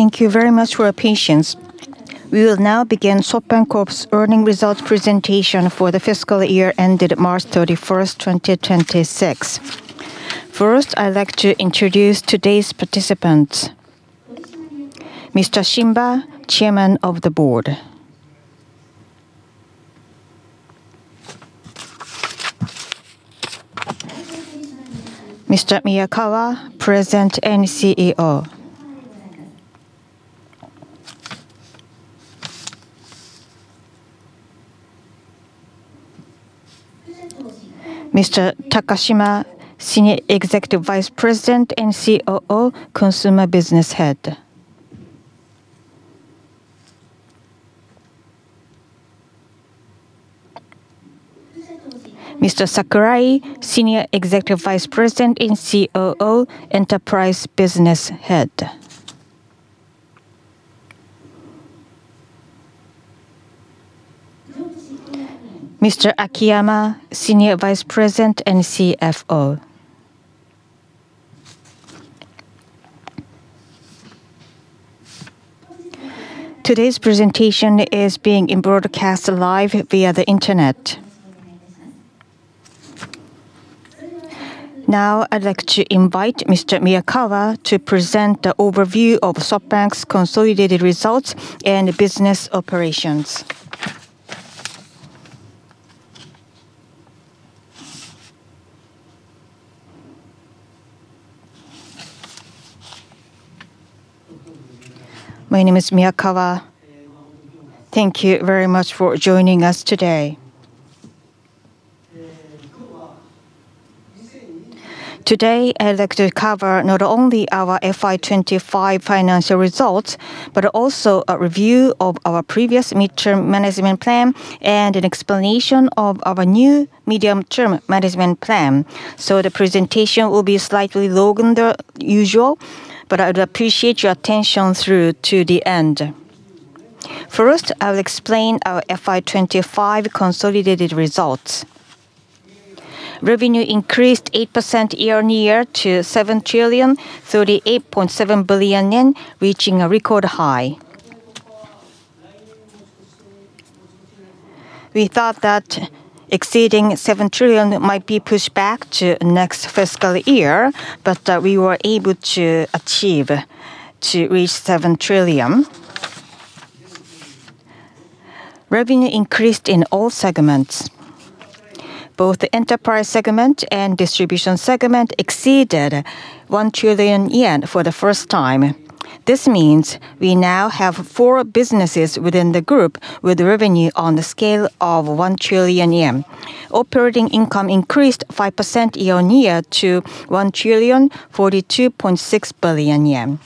Thank you very much for your patience. We will now begin SoftBank Corp.'s earning results presentation for the fiscal year ended March 31, 2026. First, I'd like to introduce today's participants. Mr. Shimba, Chairman of the Board. Mr. Miyakawa, President and CEO. Mr. Takashima, Senior Executive Vice President and COO, Consumer Business Head. Mr. Sakurai, Senior Executive Vice President and COO, Enterprise Business Head. Mr. Akiyama, Senior Vice President and CFO. Today's presentation is being broadcast live via the internet. Now, I'd like to invite Mr. Miyakawa to present the overview of SoftBank's consolidated results and business operations. My name is Miyakawa. Thank you very much for joining us today. Today, I'd like to cover not only our FY 2025 financial results, but also a review of our previous midterm management plan and an explanation of our new medium-term management plan. The presentation will be slightly longer than usual, but I would appreciate your attention through to the end. First, I'll explain our FY 2025 consolidated results. Revenue increased 8% year-on-year to 7,038.7 billion yen, reaching a record high. We thought that exceeding 7 trillion might be pushed back to next fiscal year, but we were able to reach JPY 7 trillion. Revenue increased in all segments. Both enterprise segment and distribution segment exceeded 1 trillion yen for the first time. This means we now have four businesses within the group with revenue on the scale of 1 trillion yen. Operating income increased 5% year-on-year to 1,042.6 billion yen.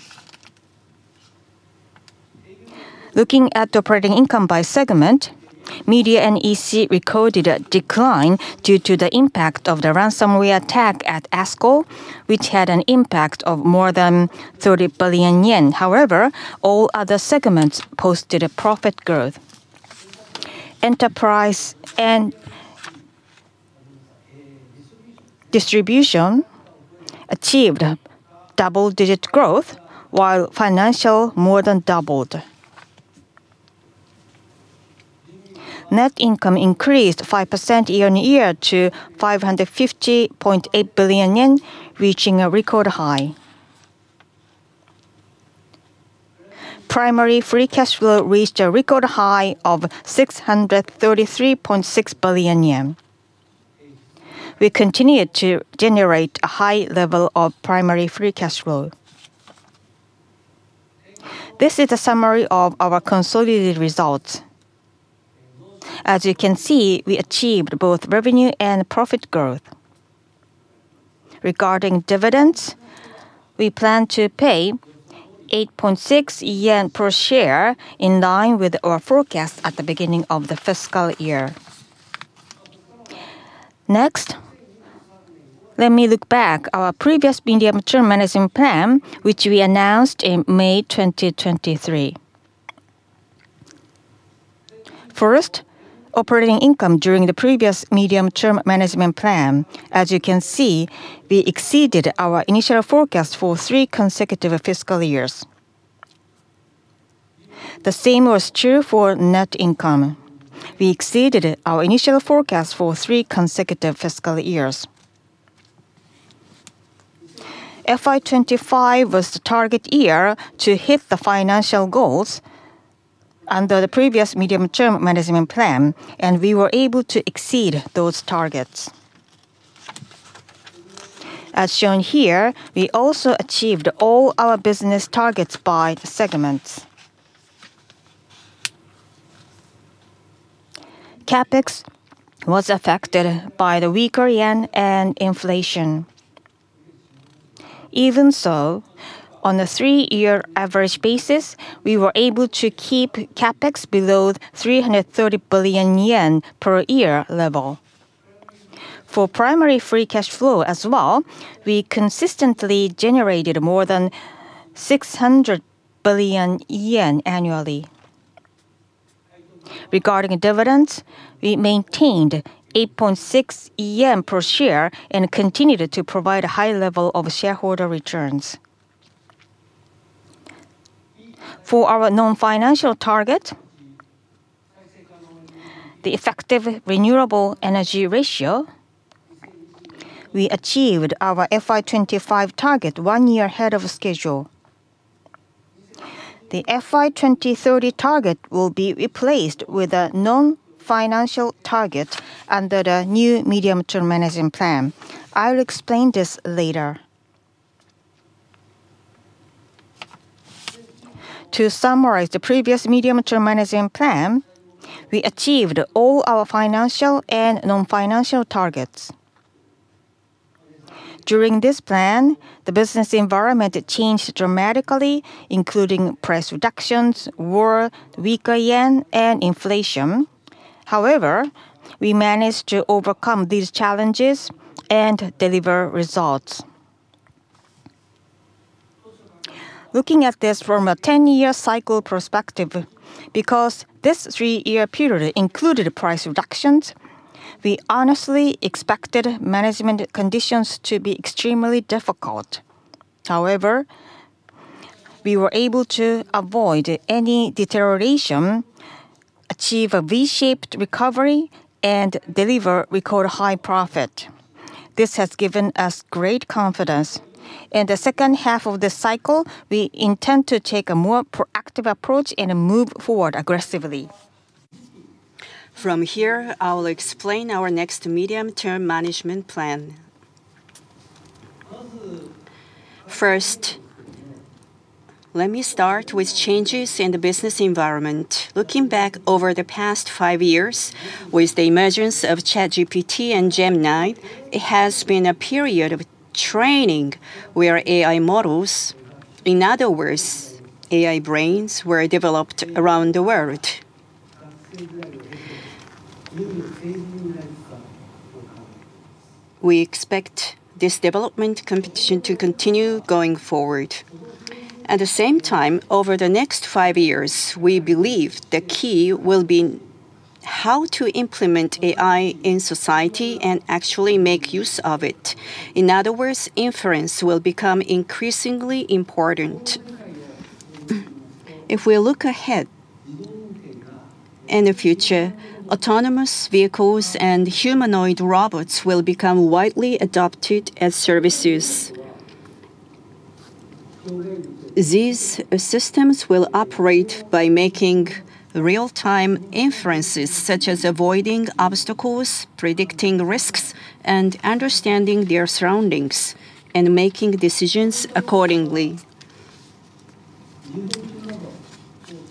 Looking at operating income by segment, Media and EC recorded a decline due to the impact of the ransomware attack at ASKUL, which had an impact of more than 30 billion yen. All other segments posted a profit growth. Enterprise and Distribution achieved double-digit growth while Financial more than doubled. Net income increased 5% year-on-year to 550.8 billion yen, reaching a record high. Primary free cash flow reached a record high of 633.6 billion yen. We continued to generate a high level of primary free cash flow. This is a summary of our consolidated results. As you can see, we achieved both revenue and profit growth. Regarding dividends, we plan to pay 8.6 yen per share in line with our forecast at the beginning of the fiscal year. Let me look back our previous medium-term management plan, which we announced in May 2023. Operating income during the previous medium-term management plan. As you can see, we exceeded our initial forecast for three consecutive fiscal years. The same was true for net income. We exceeded our initial forecast for three consecutive fiscal years. FY 2025 was the target year to hit the financial goals under the previous medium-term management plan, and we were able to exceed those targets. As shown here, we also achieved all our business targets by segments. CapEx was affected by the weaker yen and inflation. Even so, on a three-year average basis, we were able to keep CapEx below 330 billion yen per year level. For primary free cash flow as well, we consistently generated more than 600 billion yen annually. Regarding dividends, we maintained 8.6 yen per share and continued to provide a high level of shareholder returns. For our non-financial target, the effective renewable energy ratio, we achieved our FY 2025 target one year ahead of schedule. The FY 2030 target will be replaced with a non-financial target under the new medium-term management plan. I'll explain this later. To summarize the previous medium-term management plan, we achieved all our financial and non-financial targets. During this plan, the business environment changed dramatically, including price reductions, war, weaker yen, and inflation. However, we managed to overcome these challenges and deliver results. Looking at this from a 10-year cycle perspective, because this three-year period included price reductions, we honestly expected management conditions to be extremely difficult. However, we were able to avoid any deterioration, achieve a V-shaped recovery, and deliver record high profit. This has given us great confidence. In the second half of this cycle, we intend to take a more proactive approach and move forward aggressively. From here, I will explain our next medium-term management plan. First, let me start with changes in the business environment. Looking back over the past five years with the emergence of ChatGPT and Gemini, it has been a period of training where AI models, in other words, AI brains, were developed around the world. We expect this development competition to continue going forward. At the same time, over the next five years, we believe the key will be how to implement AI in society and actually make use of it. In other words, inference will become increasingly important. If we look ahead, in the future, autonomous vehicles and humanoid robots will become widely adopted as services. These systems will operate by making real-time inferences, such as avoiding obstacles, predicting risks, and understanding their surroundings, and making decisions accordingly.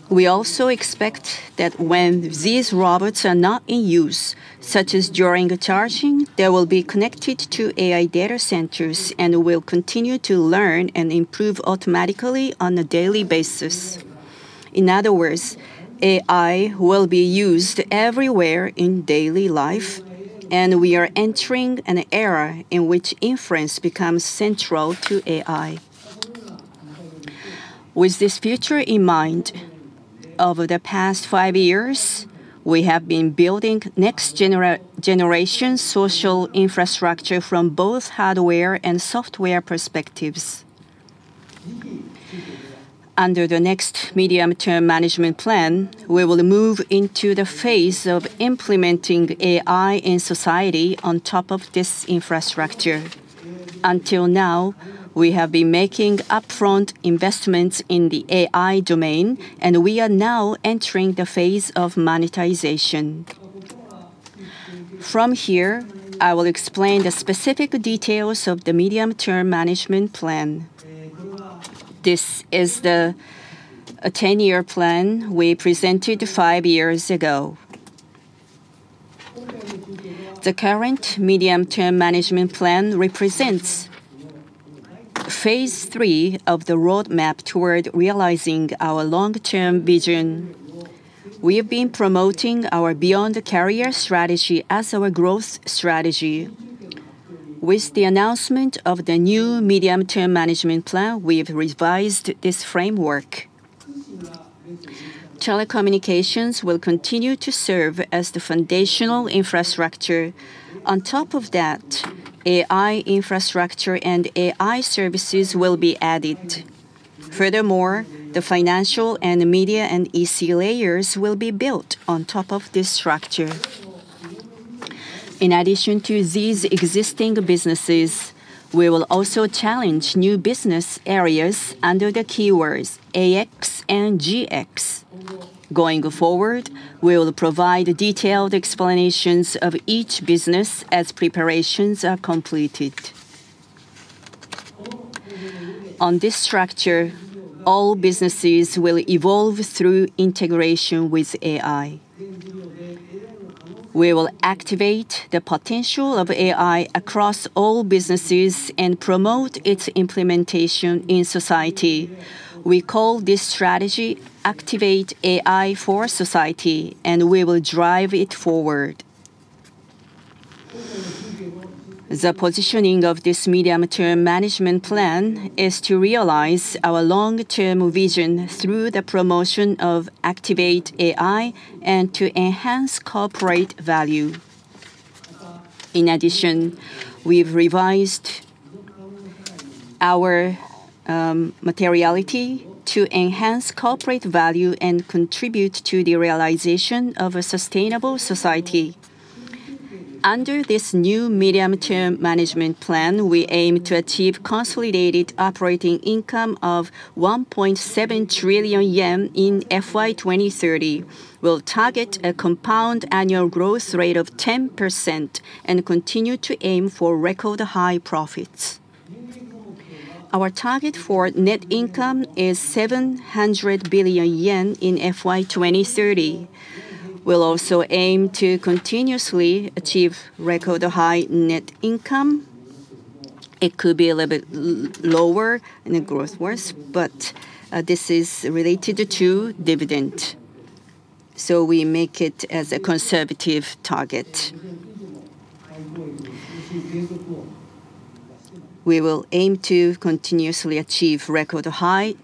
We also expect that when these robots are not in use, such as during charging, they will be connected to AI data centers and will continue to learn and improve automatically on a daily basis. In other words, AI will be used everywhere in daily life, and we are entering an era in which inference becomes central to AI. With this future in mind, over the past five years, we have been building next-generation social infrastructure from both hardware and software perspectives. Under the next medium-term management plan, we will move into the phase of implementing AI in society on top of this infrastructure. Until now, we have been making upfront investments in the AI domain, and we are now entering the phase of monetization. From here, I will explain the specific details of the medium-term management plan. This is the 10-year plan we presented five years ago. The current medium-term management plan represents phase three of the roadmap toward realizing our long-term vision. We have been promoting our Beyond the Carrier strategy as our growth strategy. With the announcement of the new medium-term management plan, we've revised this framework. Telecommunications will continue to serve as the foundational infrastructure. On top of that, AI infrastructure and AI services will be added. Furthermore, the financial and media and EC layers will be built on top of this structure. In addition to these existing businesses, we will also challenge new business areas under the keywords AX and GX. Going forward, we will provide detailed explanations of each business as preparations are completed. On this structure, all businesses will evolve through integration with AI. We will activate the potential of AI across all businesses and promote its implementation in society. We call this strategy Activate AI for Society, we will drive it forward. The positioning of this medium-term management plan is to realize our long-term vision through the promotion of Activate AI and to enhance corporate value. We've revised our materiality to enhance corporate value and contribute to the realization of a sustainable society. Under this new medium-term management plan, we aim to achieve consolidated operating income of 1.7 trillion yen in FY 2030. We'll target a compound annual growth rate of 10% and continue to aim for record high profits. Our target for net income is 700 billion yen in FY 2030. We'll also aim to continuously achieve record high net income. It could be a little bit lower in the growth worse, but this is related to dividend, so we make it as a conservative target. We will aim to continuously achieve record high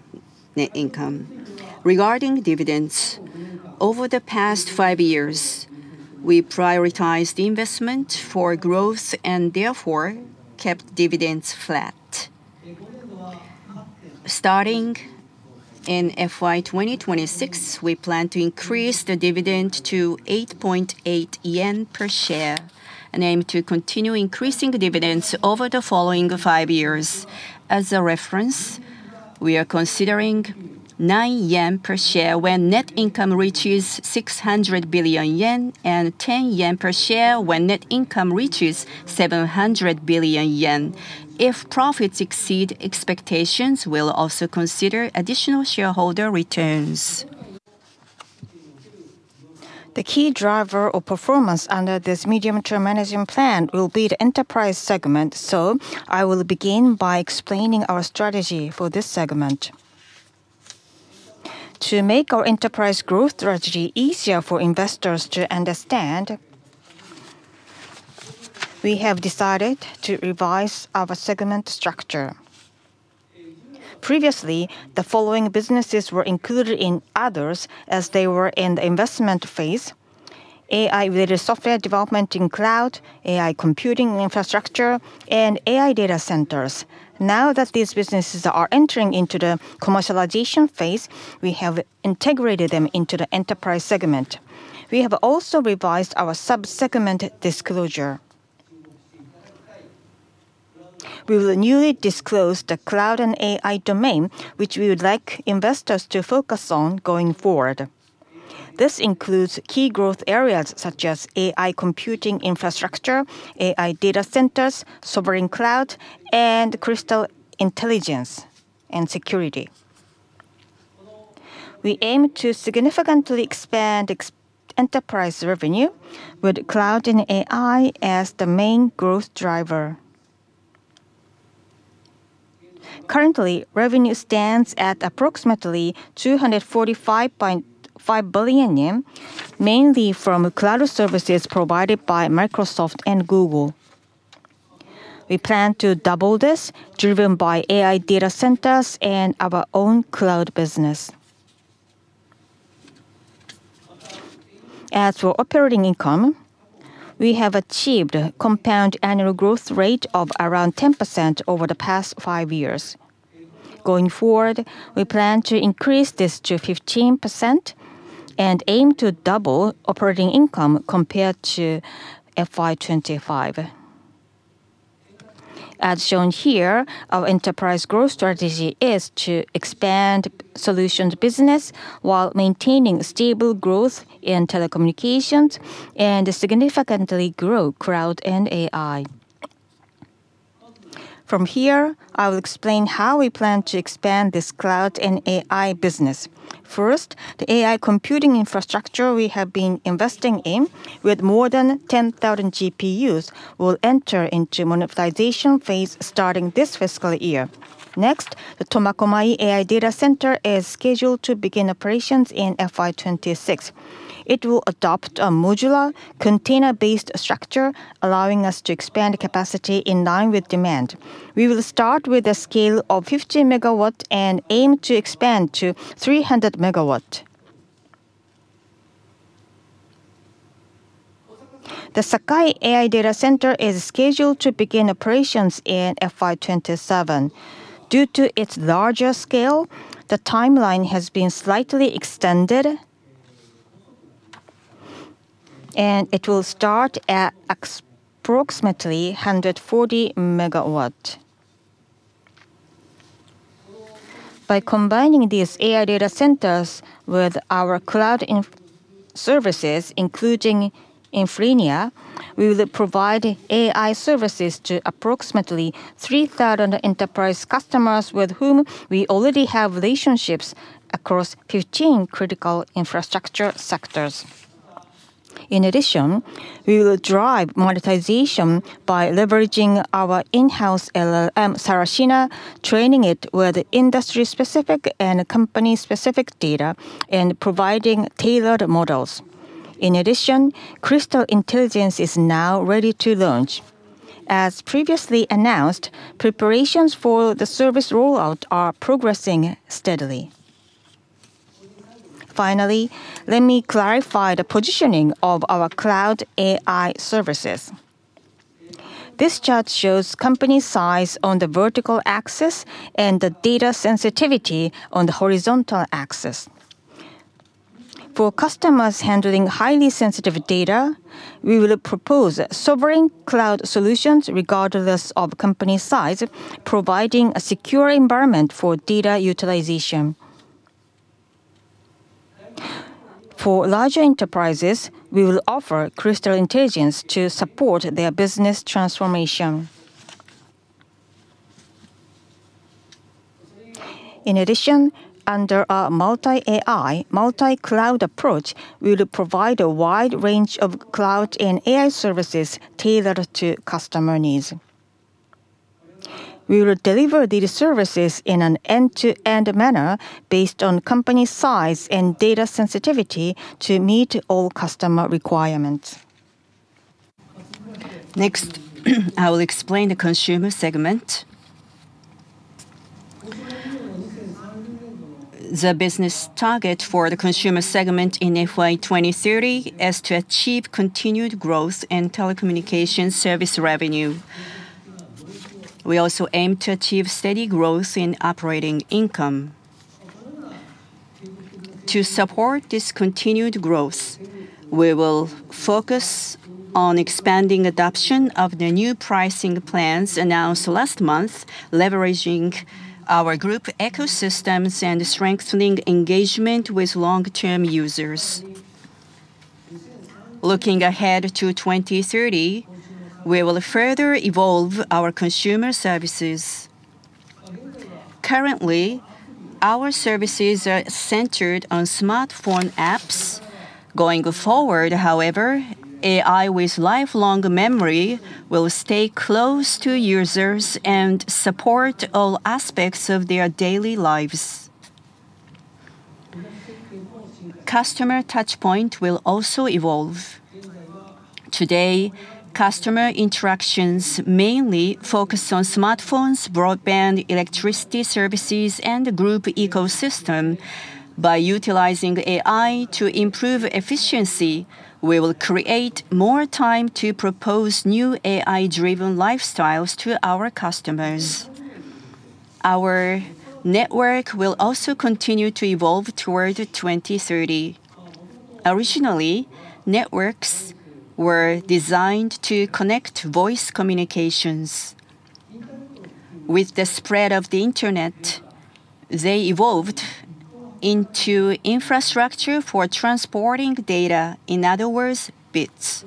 net income. Regarding dividends, over the past five years, we prioritized investment for growth and therefore kept dividends flat. Starting in FY 2026, we plan to increase the dividend to 8.8 per share and aim to continue increasing dividends over the following five years. As a reference, we are considering 9 yen per share when net income reaches 600 billion yen and 10 yen per share when net income reaches 700 billion yen. If profits exceed expectations, we will also consider additional shareholder returns. The key driver of performance under this medium-term managing plan will be the enterprise segment. I will begin by explaining our strategy for this segment. To make our enterprise growth strategy easier for investors to understand, we have decided to revise our segment structure. Previously, the following businesses were included in others as they were in the investment phase: AI-related software development in cloud, AI computing infrastructure, and AI data centers. Now that these businesses are entering into the commercialization phase, we have integrated them into the Enterprise segment. We have also revised our sub-segment disclosure. We will newly disclose the Cloud and AI domain, which we would like investors to focus on going forward. This includes key growth areas such as AI computing infrastructure, AI data centers, sovereign cloud, and Crystal Intelligence and Security. We aim to significantly expand ex-Enterprise revenue with cloud and AI as the main growth driver. Currently, revenue stands at approximately 245.5 billion yen, mainly from cloud services provided by Microsoft and Google. We plan to double this driven by AI data centers and our own cloud business. As for operating income, we have achieved compound annual growth rate of around 10% over the past five years. Going forward, we plan to increase this to 15% and aim to double operating income compared to FY 2025. As shown here, our enterprise growth strategy is to expand solutions business while maintaining stable growth in telecommunications and significantly grow cloud and AI. From here, I will explain how we plan to expand this cloud and AI business. First, the AI computing infrastructure we have been investing in with more than 10,000 GPUs will enter into monetization phase starting this fiscal year. Next, the Tomakomai AI Data Center is scheduled to begin operations in FY 2026. It will adopt a modular container-based structure, allowing us to expand capacity in line with demand. We will start with a scale of 50 MW and aim to expand to 300 MW. The Sakai AI Data Center is scheduled to begin operations in FY 2027. Due to its larger scale, the timeline has been slightly extended. It will start at approximately 140 MW. By combining these AI data centers with our cloud services, including Infrinia, we will provide AI services to approximately 3,000 enterprise customers with whom we already have relationships across 15 critical infrastructure sectors. In addition, we will drive monetization by leveraging our in-house LLM, Sarashina, training it with industry-specific and company-specific data and providing tailored models. In addition, Crystal Intelligence is now ready to launch. As previously announced, preparations for the service rollout are progressing steadily. Finally, let me clarify the positioning of our Cloud AI services. This chart shows company size on the vertical axis and the data sensitivity on the horizontal axis. For customers handling highly sensitive data, we will propose sovereign cloud solutions regardless of company size, providing a secure environment for data utilization. For larger enterprises, we will offer Crystal Intelligence to support their business transformation. In addition, under our multi-AI, multi-cloud approach, we will provide a wide range of cloud and AI services tailored to customer needs. We will deliver these services in an end-to-end manner based on company size and data sensitivity to meet all customer requirements. Next, I will explain the consumer segment. The business target for the consumer segment in FY 2030 is to achieve continued growth in telecommunication service revenue. We also aim to achieve steady growth in operating income. To support this continued growth, we will focus on expanding adoption of the new pricing plans announced last month, leveraging our group ecosystems and strengthening engagement with long-term users. Looking ahead to 2030, we will further evolve our consumer services. Currently, our services are centered on smartphone apps. Going forward, however, AI with lifelong memory will stay close to users and support all aspects of their daily lives. Customer touchpoint will also evolve. Today, customer interactions mainly focus on smartphones, broadband, electricity services, and the group ecosystem. By utilizing AI to improve efficiency, we will create more time to propose new AI-driven lifestyles to our customers. Our network will also continue to evolve toward 2030. Originally, networks were designed to connect voice communications. With the spread of the Internet, they evolved into infrastructure for transporting data. In other words, bits.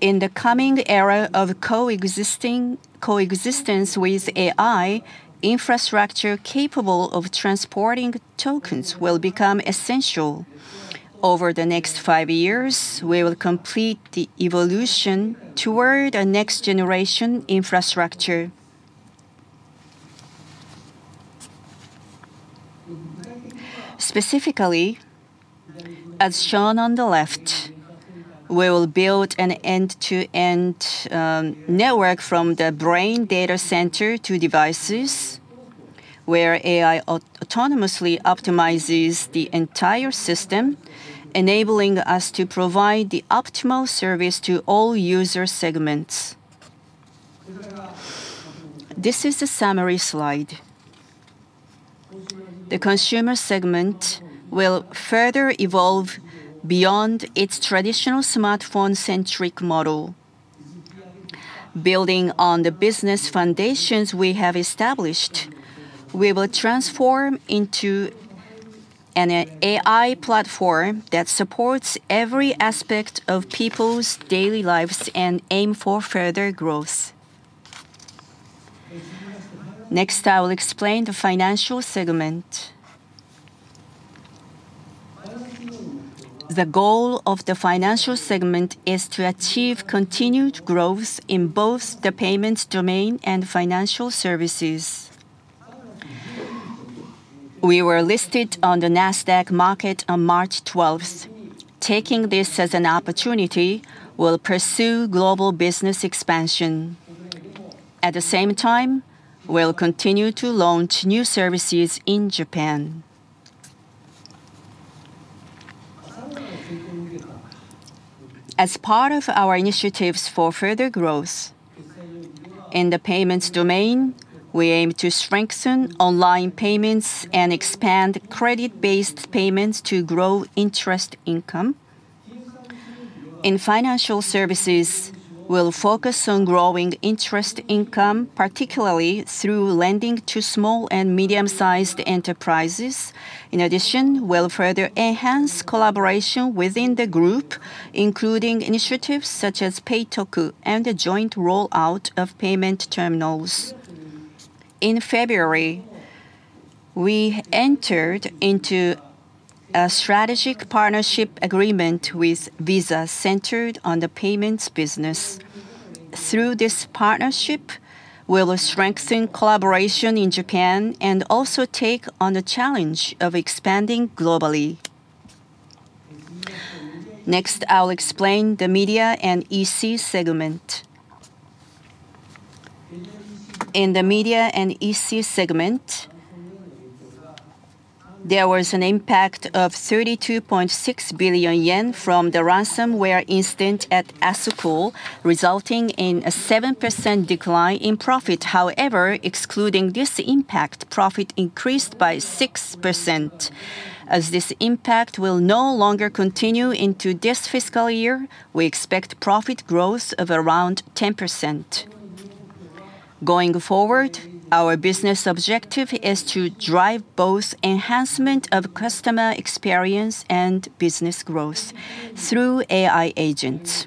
In the coming era of coexistence with AI, infrastructure capable of transporting tokens will become essential. Over the next five years, we will complete the evolution toward a next-generation infrastructure. Specifically, as shown on the left, we will build an end-to-end network from the bare metal data center to devices where AI autonomously optimizes the entire system, enabling us to provide the optimal service to all user segments. This is the summary slide. The consumer segment will further evolve beyond its traditional smartphone-centric model. Building on the business foundations we have established, we will transform into an AI platform that supports every aspect of people's daily lives and aim for further growth. I will explain the financial segment. The goal of the financial segment is to achieve continued growth in both the payments domain and financial services. We were listed on the NASDAQ market on March 12th. Taking this as an opportunity, we'll pursue global business expansion. At the same time, we'll continue to launch new services in Japan. As part of our initiatives for further growth, in the payments domain, we aim to strengthen online payments and expand credit-based payments to grow interest income. In financial services, we'll focus on growing interest income, particularly through lending to small and medium-sized enterprises. In addition, we'll further enhance collaboration within the group, including initiatives such as PayToku and the joint rollout of payment terminals. In February, we entered into a strategic partnership agreement with Visa centered on the payments business. Through this partnership, we will strengthen collaboration in Japan and also take on the challenge of expanding globally. I'll explain the media and EC segment. In the media and EC segment, there was an impact of 32.6 billion yen from the ransomware incident at ASKUL, resulting in a 7% decline in profit. Excluding this impact, profit increased by 6%. This impact will no longer continue into this fiscal year, we expect profit growth of around 10%. Our business objective is to drive both enhancement of customer experience and business growth through AI agents.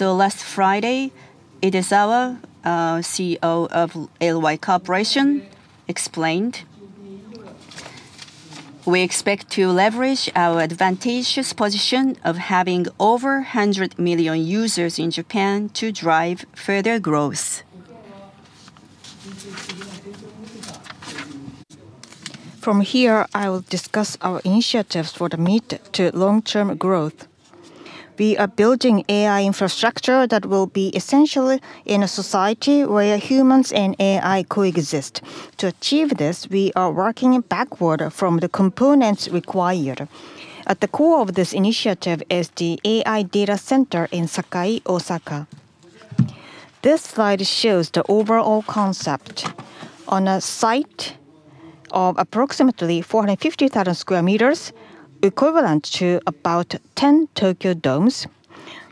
Last Friday, Takeshi Idezawa, CEO of LY Corporation explained. We expect to leverage our advantageous position of having over 100 million users in Japan to drive further growth. I will discuss our initiatives for the mid to long-term growth. We are building AI infrastructure that will be essential in a society where humans and AI coexist. To achieve this, we are working backward from the components required. At the core of this initiative is the AI data center in Sakai, Osaka. This slide shows the overall concept. On a site of approximately 450,000 sq m, equivalent to about 10 Tokyo Domes,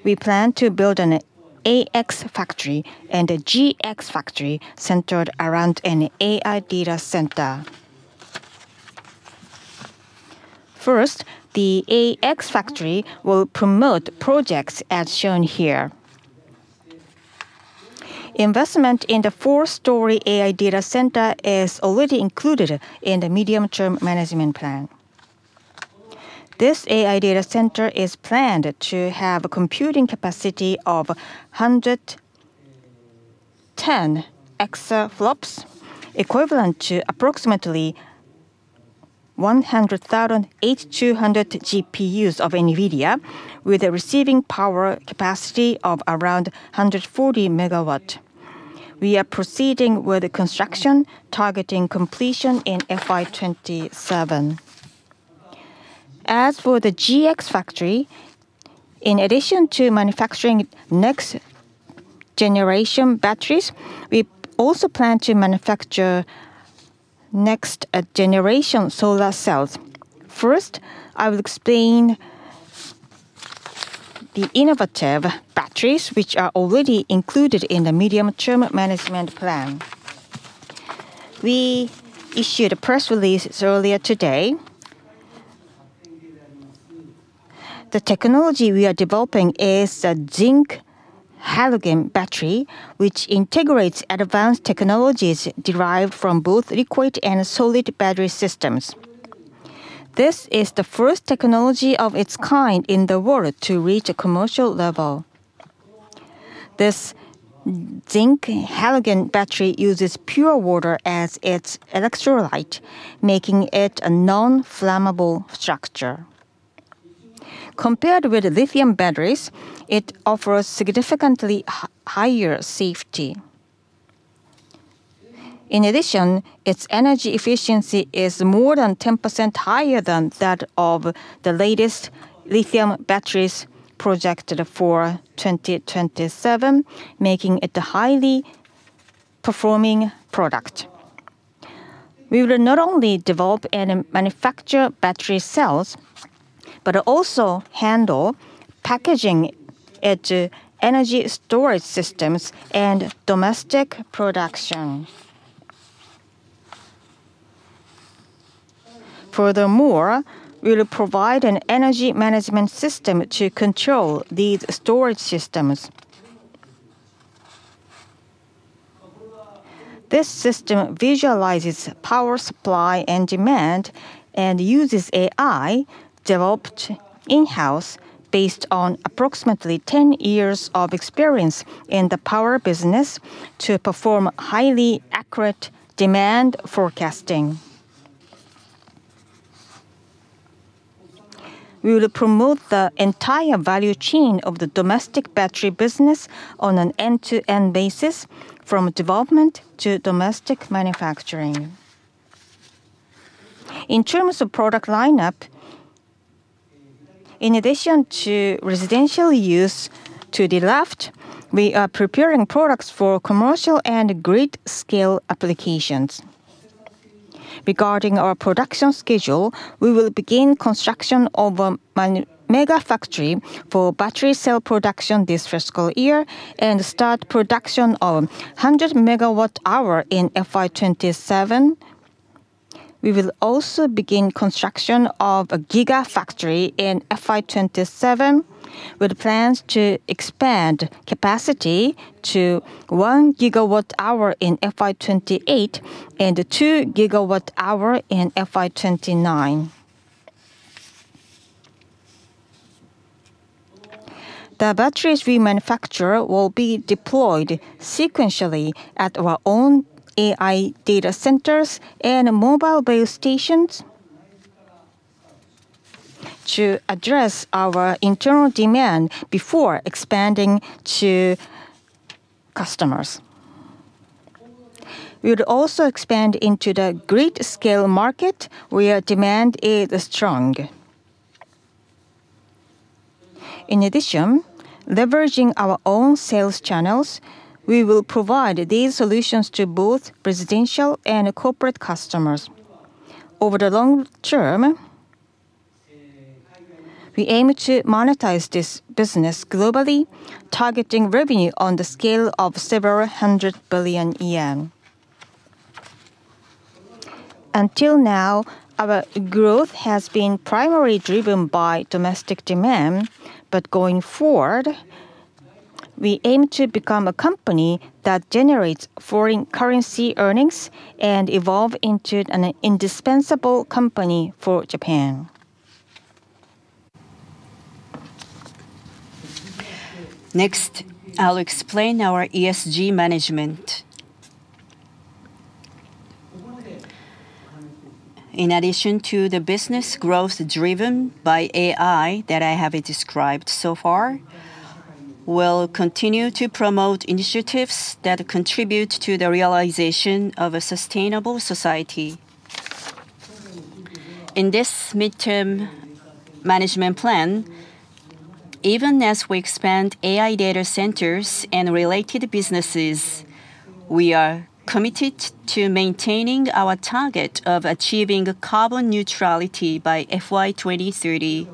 we plan to build an AX Factory and a GX Factory centered around an AI data center. First, the AX Factory will promote projects as shown here. Investment in the four-story AI data center is already included in the medium-term management plan. This AI data center is planned to have a computing capacity of 110 exaflops, equivalent to approximately 100,800 GPUs of NVIDIA, with a receiving power capacity of around 140 MW. We are proceeding with the construction, targeting completion in FY 2027. As for the GX Factory, in addition to manufacturing next-generation batteries, we also plan to manufacture next-generation solar cells. First, I will explain the innovative batteries which are already included in the medium-term management plan. We issued a press release earlier today. The technology we are developing is a zinc-halogen battery which integrates advanced technologies derived from both liquid and solid battery systems. This is the first technology of its kind in the world to reach a commercial level. This zinc-halogen battery uses pure water as its electrolyte, making it a non-flammable structure. Compared with lithium batteries, it offers significantly higher safety. Its energy efficiency is more than 10% higher than that of the latest lithium batteries projected for 2027, making it a highly performing product. We will not only develop and manufacture battery cells, but also handle packaging it to energy storage systems and domestic production. Furthermore, we'll provide an energy management system to control these storage systems. This system visualizes power supply and demand and uses AI developed in-house based on approximately 10 years of experience in the power business to perform highly accurate demand forecasting. We will promote the entire value chain of the domestic battery business on an end-to-end basis from development to domestic manufacturing. In terms of product lineup, in addition to residential use to the left, we are preparing products for commercial and grid scale applications. Regarding our production schedule, we will begin construction of a mega factory for battery cell production this fiscal year and start production of a 100 MWh in FY 2027. We will also begin construction of a GX Factory in FY 2027, with plans to expand capacity to 1 GWh in FY 2028 and 2 GWh in FY 2029. The batteries we manufacture will be deployed sequentially at our own AI data centers and mobile base stations to address our internal demand before expanding to customers. We'll also expand into the grid scale market where demand is strong. In addition, leveraging our own sales channels, we will provide these solutions to both residential and corporate customers. Over the long term, we aim to monetize this business globally, targeting revenue on the scale of 700 billion yen. Until now, our growth has been primarily driven by domestic demand, but going forward, we aim to become a company that generates foreign currency earnings and evolve into an indispensable company for Japan. Next, I'll explain our ESG management. In addition to the business growth driven by AI that I have described so far, we'll continue to promote initiatives that contribute to the realization of a sustainable society. In this midterm management plan, even as we expand AI data centers and related businesses, we are committed to maintaining our target of achieving carbon neutrality by FY 2030.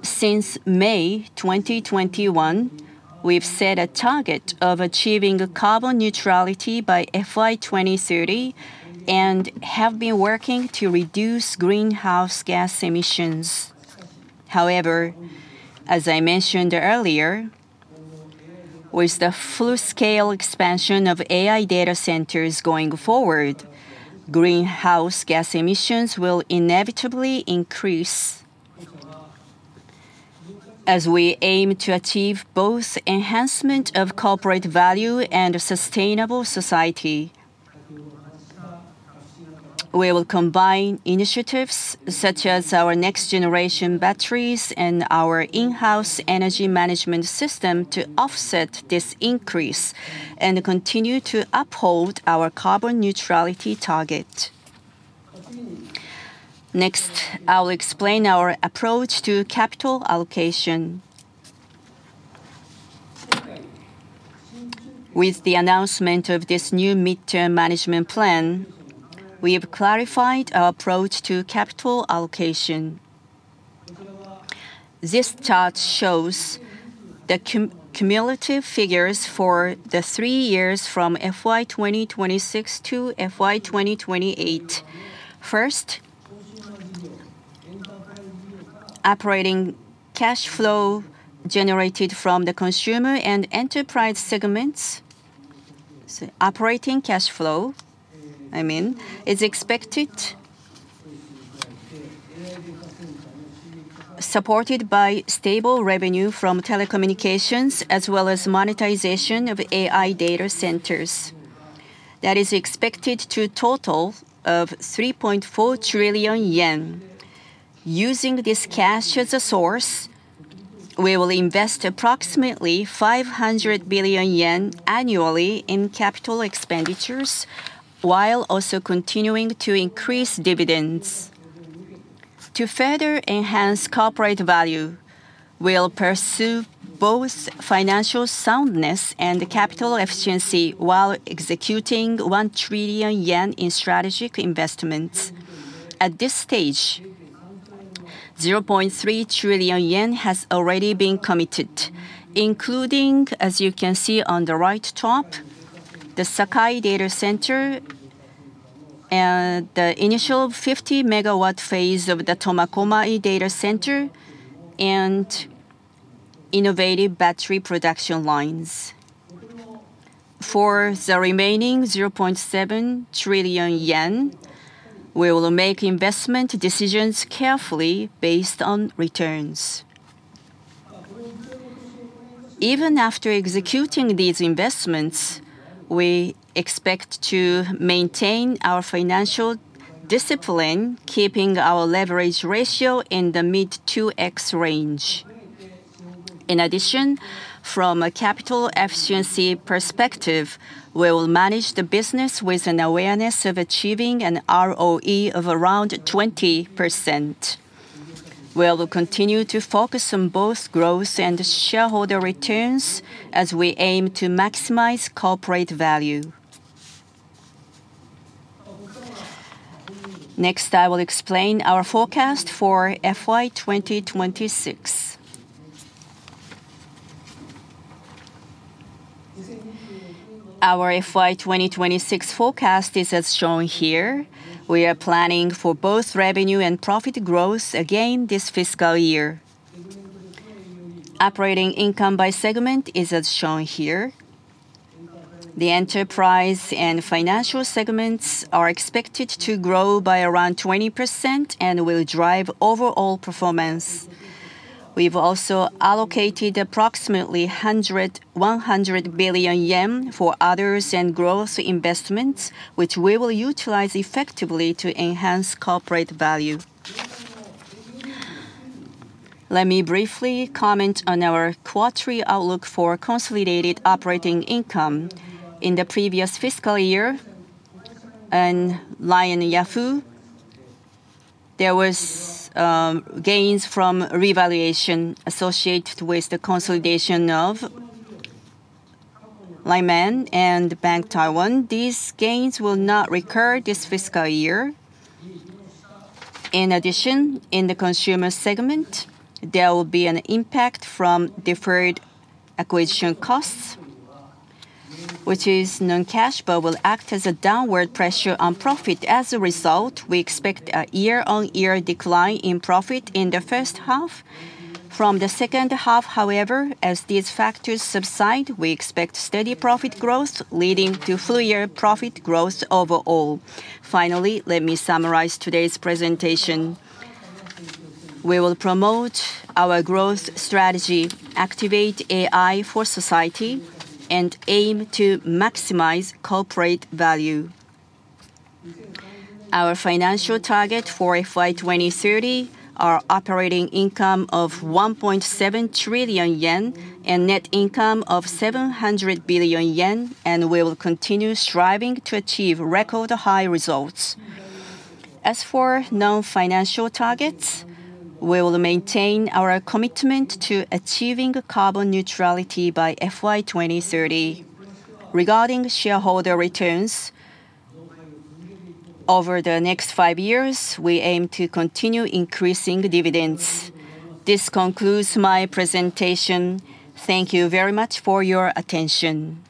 Since May 2021, we've set a target of achieving carbon neutrality by FY 2030, and have been working to reduce greenhouse gas emissions. As I mentioned earlier, with the full scale expansion of AI data centers going forward, greenhouse gas emissions will inevitably increase. As we aim to achieve both enhancement of corporate value and a sustainable society, we will combine initiatives such as our next generation batteries and our in-house energy management system to offset this increase and continue to uphold our carbon neutrality target. I'll explain our approach to capital allocation. With the announcement of this new midterm management plan, we have clarified our approach to capital allocation. This chart shows the cumulative figures for the three years from FY 2026 to FY 2028. First, operating cash flow generated from the consumer and enterprise segments. Operating cash flow, I mean, is expected, supported by stable revenue from telecommunications as well as monetization of AI data centers. That is expected to total 3.4 trillion yen. Using this cash as a source, we will invest approximately 500 billion yen annually in capital expenditures, while also continuing to increase dividends. To further enhance corporate value, we'll pursue both financial soundness and capital efficiency while executing 1 trillion yen in strategic investments. At this stage, 0.3 trillion yen has already been committed, including, as you can see on the right top, the Sakai Data Center and the initial 50 MW phase of the Tomakomai Data Center and innovative battery production lines. For the remaining 0.7 trillion yen, we will make investment decisions carefully based on returns. Even after executing these investments, we expect to maintain our financial discipline, keeping our leverage ratio in the mid 2x range. In addition, from a capital efficiency perspective, we will manage the business with an awareness of achieving an ROE of around 20%. We'll continue to focus on both growth and shareholder returns as we aim to maximize corporate value. Next, I will explain our forecast for FY 2026. Our FY 2026 forecast is as shown here. We are planning for both revenue and profit growth again this fiscal year. Operating income by segment is as shown here. The enterprise and financial segments are expected to grow by around 20% and will drive overall performance. We've also allocated approximately 100 billion yen for others and growth investments, which we will utilize effectively to enhance corporate value. Let me briefly comment on our quarterly outlook for consolidated operating income. In the previous fiscal year, in LINE Yahoo, there were gains from revaluation associated with the consolidation of LINE MAN and LINE Bank Taiwan. These gains will not recur this fiscal year. In addition, in the consumer segment, there will be an impact from deferred acquisition costs, which is non-cash, but will act as a downward pressure on profit. As a result, we expect a year-over-year decline in profit in the first half. From the second half, however, as these factors subside, we expect steady profit growth leading to full-year profit growth overall. Finally, let me summarize today's presentation. We will promote our growth strategy, Activate AI for Society, and aim to maximize corporate value. Our financial target for FY 2030 are operating income of 1.7 trillion yen and net income of 700 billion yen, and we will continue striving to achieve record high results. As for non-financial targets, we will maintain our commitment to achieving carbon neutrality by FY 2030. Regarding shareholder returns, over the next five years, we aim to continue increasing dividends. This concludes my presentation. Thank you very much for your attention.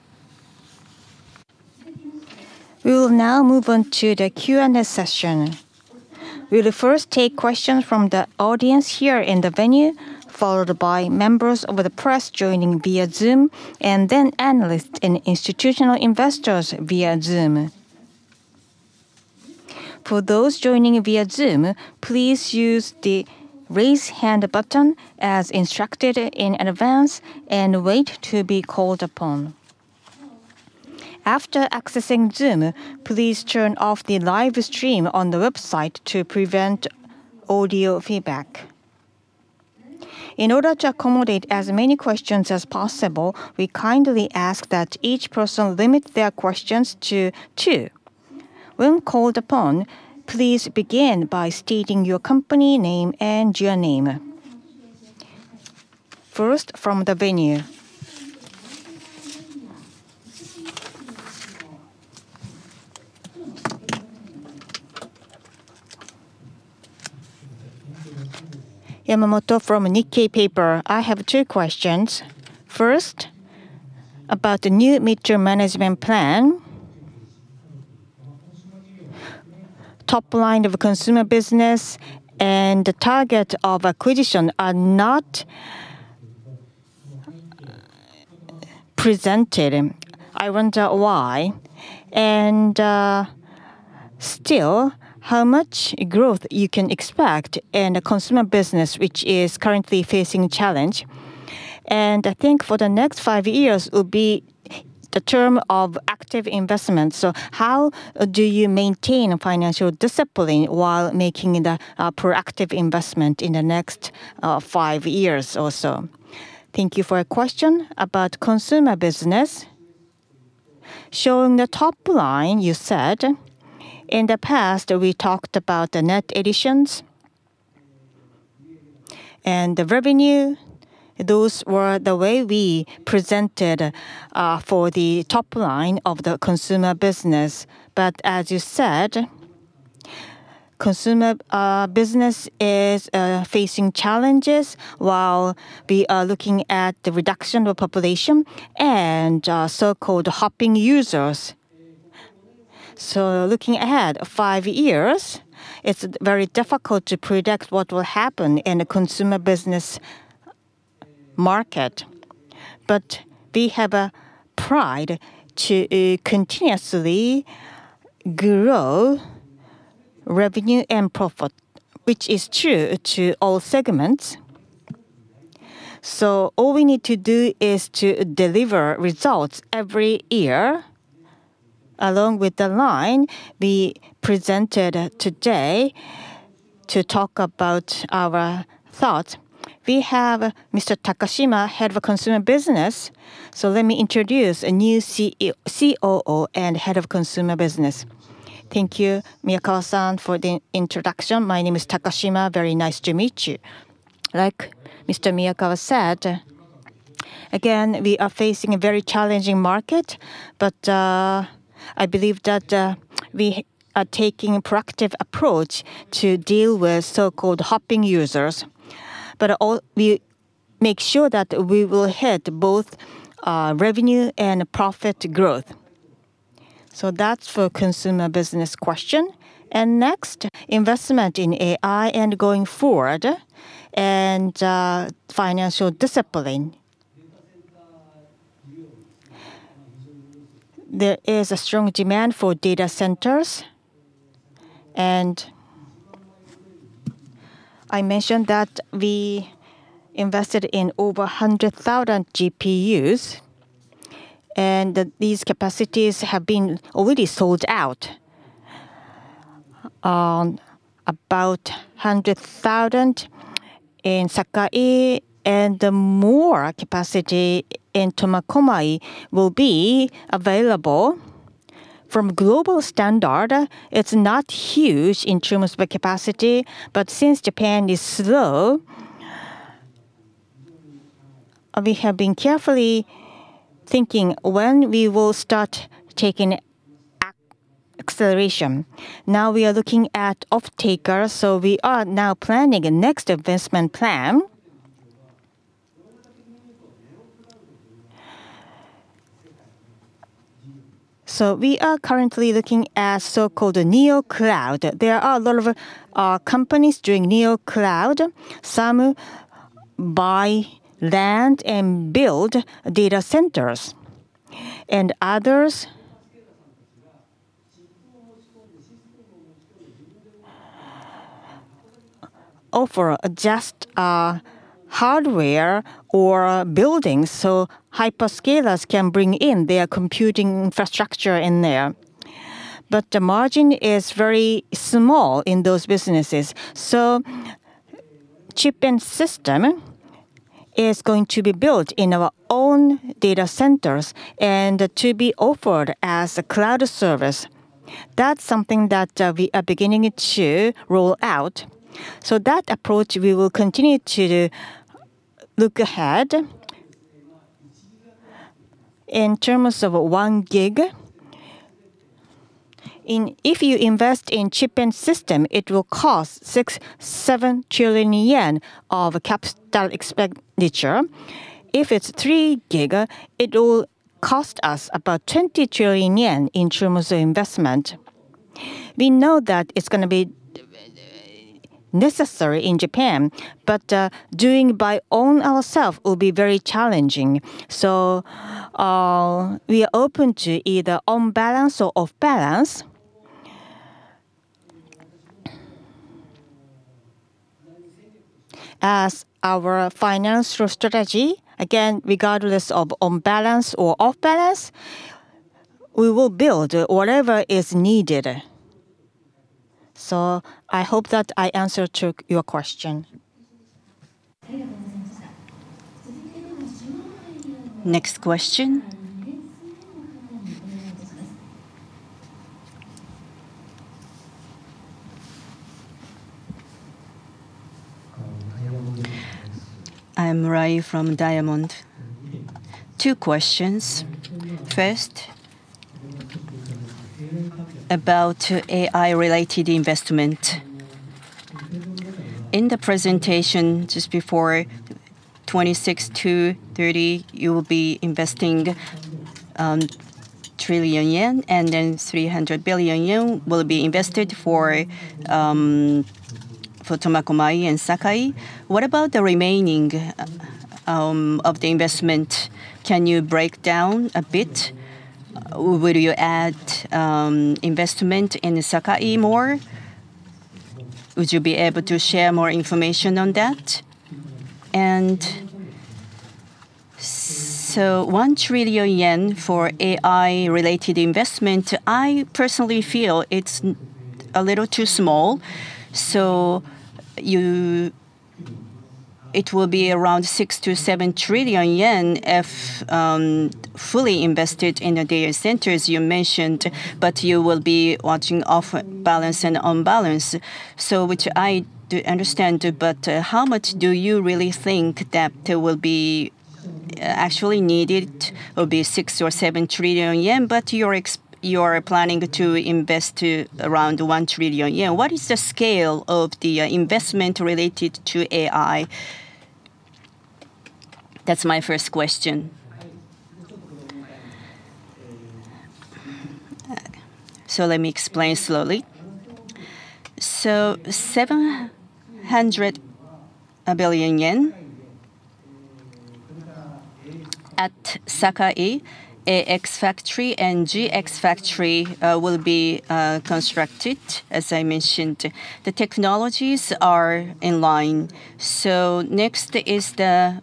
We will now move on to the Q&A session. We'll first take questions from the audience here in the venue, followed by members of the press joining via Zoom, and then analysts and institutional investors via Zoom. For those joining via Zoom, please use the Raise Hand button as instructed in advance and wait to be called upon. After accessing Zoom, please turn off the live stream on the website to prevent audio feedback. In order to accommodate as many questions as possible, we kindly ask that each person limit their questions to two. When called upon, please begin by stating your company name and your name. First, from the venue. Yamamoto from Nikkei Paper. I have two questions. First, about the new midterm management plan. Top line of consumer business and the target of acquisition are not presented. I wonder why. Still, how much growth you can expect in the consumer business, which is currently facing challenge? I think for the next five years will be the term of active investment. How do you maintain financial discipline while making the proactive investment in the next five years or so? Thank you for a question about consumer business. Showing the top line, you said. In the past, we talked about the net additions and the revenue. Those were the way we presented for the top line of the consumer business. As you said, consumer business is facing challenges while we are looking at the reduction of population and so-called hopping users. Looking ahead five years, it's very difficult to predict what will happen in the consumer business market. We have a pride to continuously grow revenue and profit, which is true to all segments. All we need to do is to deliver results every year along with the line we presented today to talk about our thoughts. We have Mr. Takashima, Head of Consumer Business. Let me introduce a new COO and Head of Consumer Business. Thank you, Miyakawa-san, for the introduction. My name is Takashima. Very nice to meet you. Like Mr. Miyakawa said, again, we are facing a very challenging market. I believe that we are taking a proactive approach to deal with so-called hopping users. We make sure that we will hit both revenue and profit growth. That's for consumer business question. Next, investment in AI and going forward, and financial discipline. There is a strong demand for data centers, and I mentioned that we invested in over 100,000 GPUs, and these capacities have been already sold out. About 100,000 in Sakai, and more capacity in Tomakomai will be available. From global standard, it's not huge in terms of capacity, but since Japan is slow, we have been carefully thinking when we will start taking acceleration. Now we are looking at off-taker, so we are now planning a next investment plan. We are currently looking at so-called Neocloud. There are a lot of companies doing Neocloud. Some buy land and build data centers, and others offer just hardware or buildings, so hyperscalers can bring in their computing infrastructure in there. The margin is very small in those businesses. Chip and system is going to be built in our own data centers and to be offered as a cloud service. That's something that we are beginning to roll out. That approach we will continue to look ahead. In terms of 1 G, if you invest in chip and system, it will cost 6 trillion-7 trillion yen of CapEx. If it's 3 G, it will cost us about 20 trillion yen in terms of investment. We know that it's gonna be necessary in Japan, doing by own ourself will be very challenging. We are open to either on balance or off balance. As our financial strategy, again, regardless of on balance or off balance, we will build whatever is needed. I hope that I answered to your question. Next question. I'm Rai from Diamond. Two questions. First, about AI related investment. In the presentation just before 2026-2030, you will be investing 1 trillion yen, and then 300 billion yen will be invested for Tomakomai and Sakai. What about the remaining of the investment? Can you break down a bit? Will you add investment in Sakai more? Would you be able to share more information on that? 1 trillion yen for AI related investment, I personally feel it's a little too small. It will be around 6 trillion-7 trillion yen if fully invested in the data centers you mentioned, but you will be watching off balance and on balance. Which I do understand, but how much do you really think that will be actually needed? Will it be 6 or 7 trillion yen, but you're planning to invest around 1 trillion yen. What is the scale of the investment related to AI? That's my first question. Let me explain slowly. JPY 700 billion at Sakai, AX Factory and GX Factory will be constructed, as I mentioned. The technologies are in line. Next is the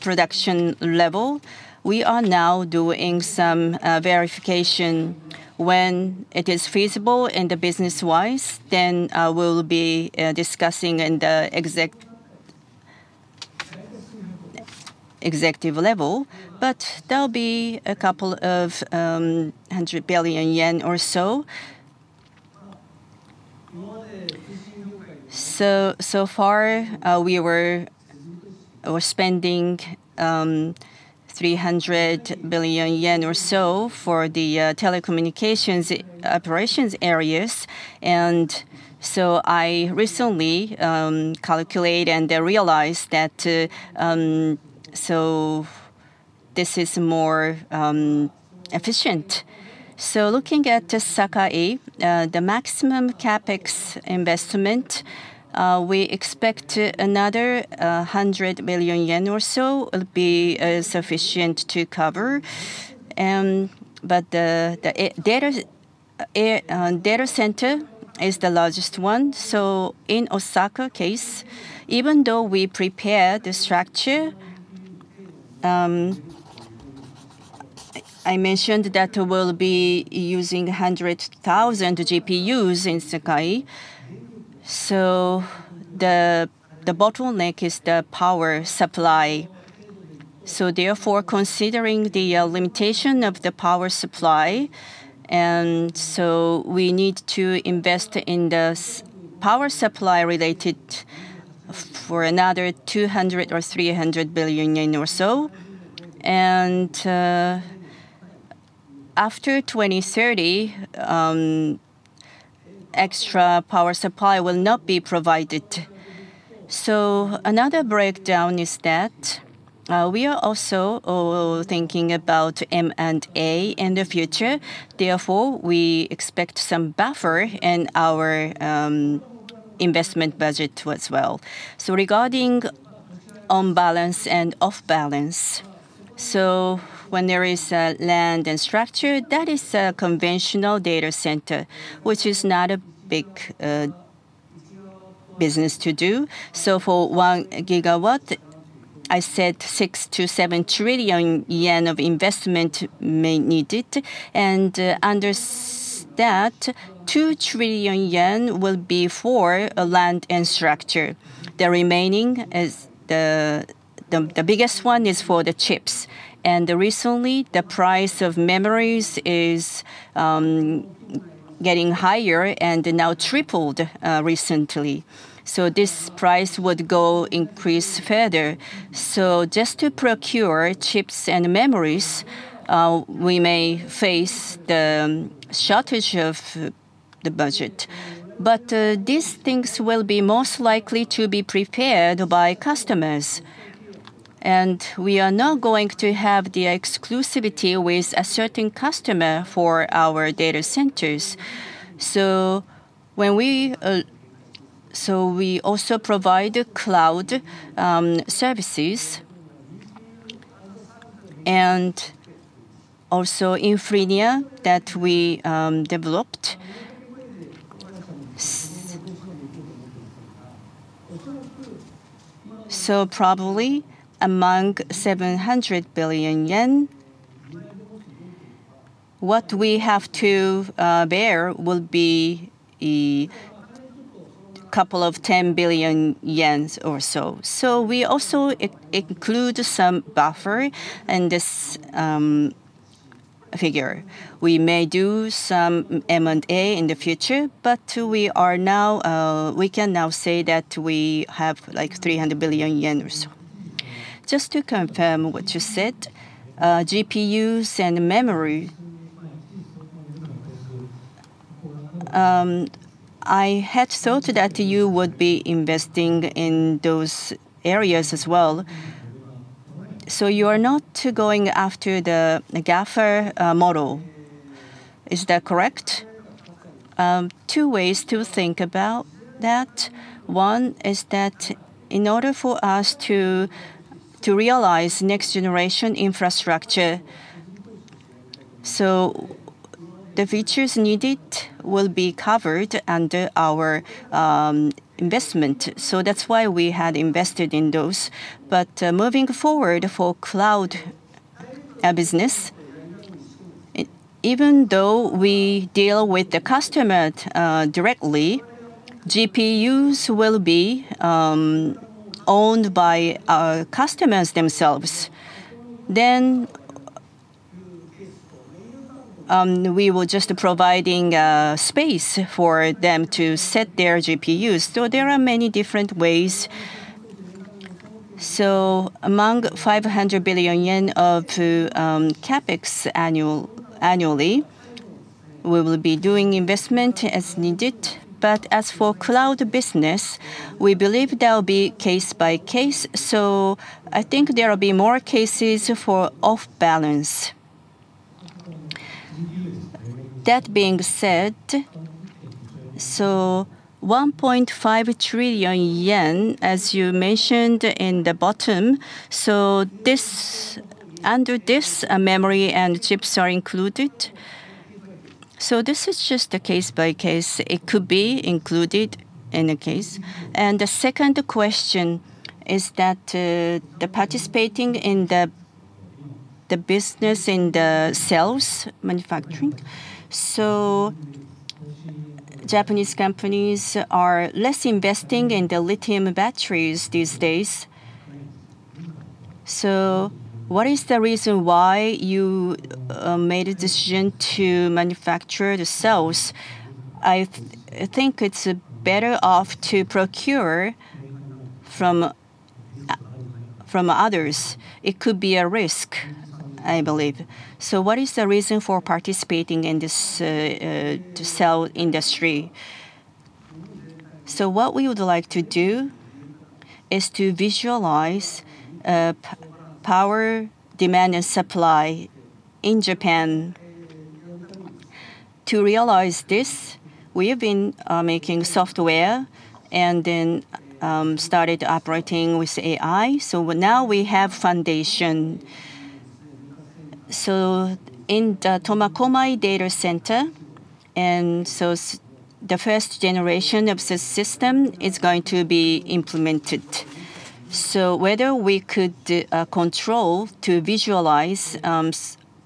production level. We are now doing some verification when it is feasible in the business wise, then we'll be discussing in the executive level. There'll be a couple of 100 billion yen or so. So far, we're spending 300 billion yen or so for the telecommunications operations areas. I recently calculate and realize that. This is more efficient. Looking at Sakai, the maximum CapEx investment, we expect another 100 million yen or so will be sufficient to cover. The data center is the largest one. In Osaka case, even though we prepare the structure, I mentioned that we'll be using 100,000 GPUs in Sakai. The bottleneck is the power supply. Therefore, considering the limitation of the power supply, we need to invest in the power supply related for another 200 billion or 300 billion yen or so. After 2030, extra power supply will not be provided. Another breakdown is that we are also thinking about M&A in the future, therefore we expect some buffer in our investment budget as well. Regarding on balance and off balance. When there is land and structure, that is a conventional data center, which is not a big business to do. For 1 GW, I said 6 trillion-7 trillion yen of investment may need it. Under that, 2 trillion yen will be for a land and structure. The remaining is the biggest one is for the chips. Recently, the price of memories is getting higher and now tripled recently. This price would go increase further. Just to procure chips and memories, we may face the shortage of the budget. These things will be most likely to be prepared by customers. We are not going to have the exclusivity with a certain customer for our data centers. When we also provide cloud services and also Infrinia AI Cloud OS that we developed. Probably among 700 billion yen, what we have to bear will be JPY 20 billion or so. We also include some buffer in this figure. We may do some M&A in the future, but we are now, we can now say that we have like 300 billion yen or so. Just to confirm what you said, GPUs and memory. I had thought that you would be investing in those areas as well. You are not going after the GAFA model. Is that correct? Two ways to think about that. One is that in order for us to realize next generation infrastructure, the features needed will be covered under our investment. That's why we had invested in those. Moving forward for cloud business, even though we deal with the customer directly, GPUs will be owned by our customers themselves. We were just providing space for them to set their GPUs. There are many different ways. Among JPY 500 billion of CapEx annually, we will be doing investment as needed. As for cloud business, we believe that will be case by case. I think there will be more cases for off balance. That being said, 1.5 trillion yen, as you mentioned in the bottom, under this, memory and chips are included. This is just a case by case. It could be included in a case. The second question is that, participating in the business in the cells manufacturing. Japanese companies are less investing in the lithium batteries these days. What is the reason why you made a decision to manufacture the cells? I think it's better off to procure from others. It could be a risk, I believe. What is the reason for participating in this cell industry? What we would like to do is to visualize power demand and supply in Japan. To realize this, we have been making software and then started operating with AI. Now we have foundation. In the Tomakomai Data Center, the first generation of the system is going to be implemented. Whether we could control to visualize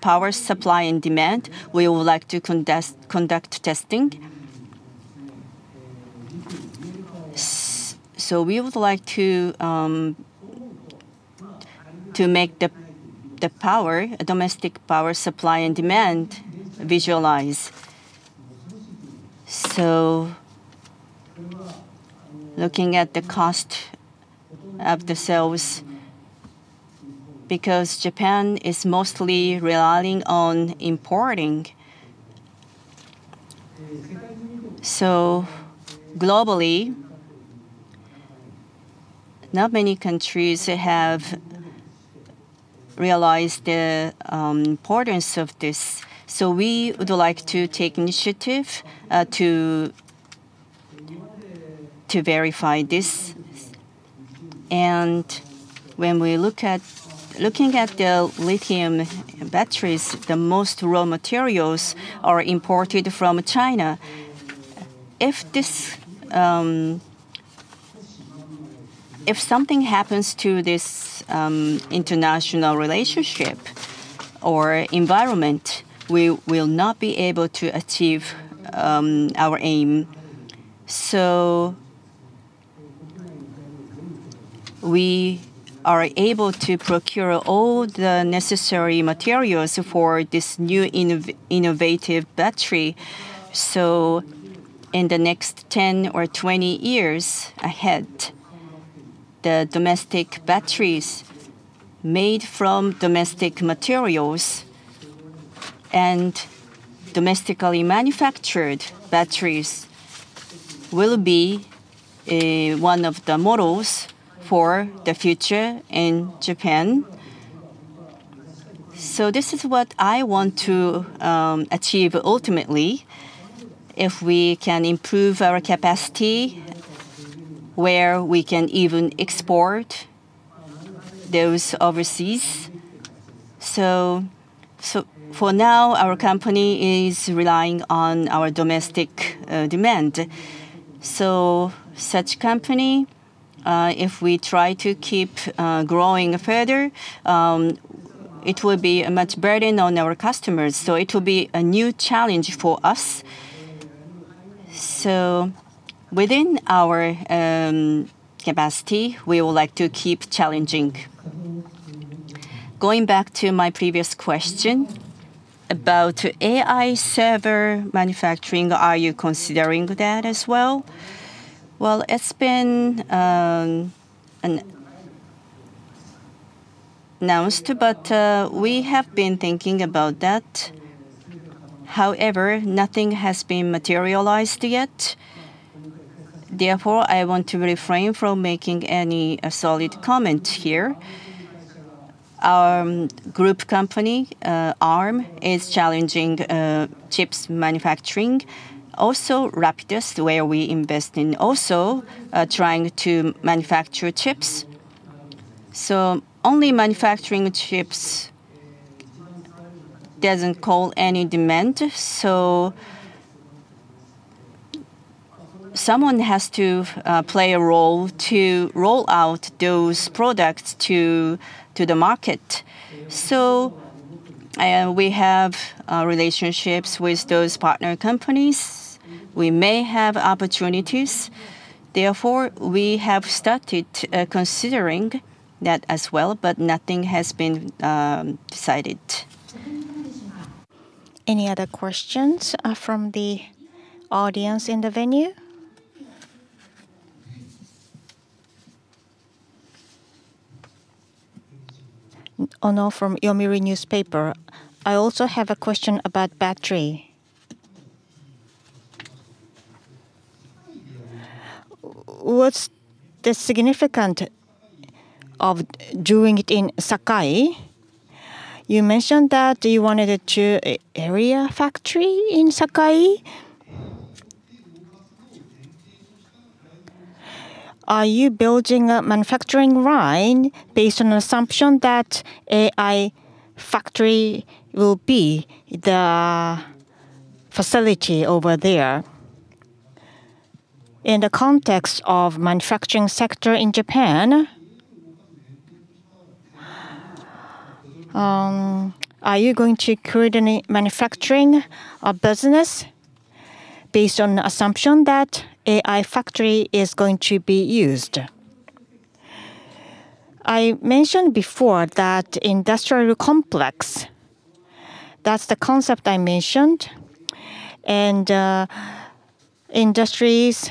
power supply and demand, we would like to conduct testing. We would like to make the domestic power supply and demand visualize. Looking at the cost of the cells, because Japan is mostly relying on importing. Globally, not many countries have realized the importance of this. We would like to take initiative to verify this. Looking at the lithium batteries, the most raw materials are imported from China. If this, if something happens to this international relationship or environment, we will not be able to achieve our aim. We are able to procure all the necessary materials for this new innovative battery. In the next 10 or 20 years ahead, the domestic batteries made from domestic materials and domestically manufactured batteries will be one of the models for the future in Japan. This is what I want to achieve ultimately, if we can improve our capacity where we can even export those overseas. For now, our company is relying on our domestic demand. Such company, if we try to keep growing further, it will be a much burden on our customers. It will be a new challenge for us. Within our capacity, we would like to keep challenging. Going back to my previous question about AI server manufacturing, are you considering that as well? It's been announced, but we have been thinking about that. However, nothing has been materialized yet. I want to refrain from making any solid comment here. Group company, Arm, is challenging chips manufacturing. Rapidus, where we invest in also trying to manufacture chips. Only manufacturing chips doesn't call any demand. Someone has to play a role to roll out those products to the market. We have relationships with those partner companies. We may have opportunities. We have started considering that as well, but nothing has been decided. Any other questions from the audience in the venue? Ono from Yomiuri Newspaper. I also have a question about battery. What's the significance of doing it in Sakai? You mentioned that you wanted a two area factory in Sakai. Are you building a manufacturing line based on assumption that AI Factory will be the facility over there? In the context of manufacturing sector in Japan, are you going to create any manufacturing or business based on assumption that AI Factory is going to be used? I mentioned before that industrial complex, that's the concept I mentioned. Industries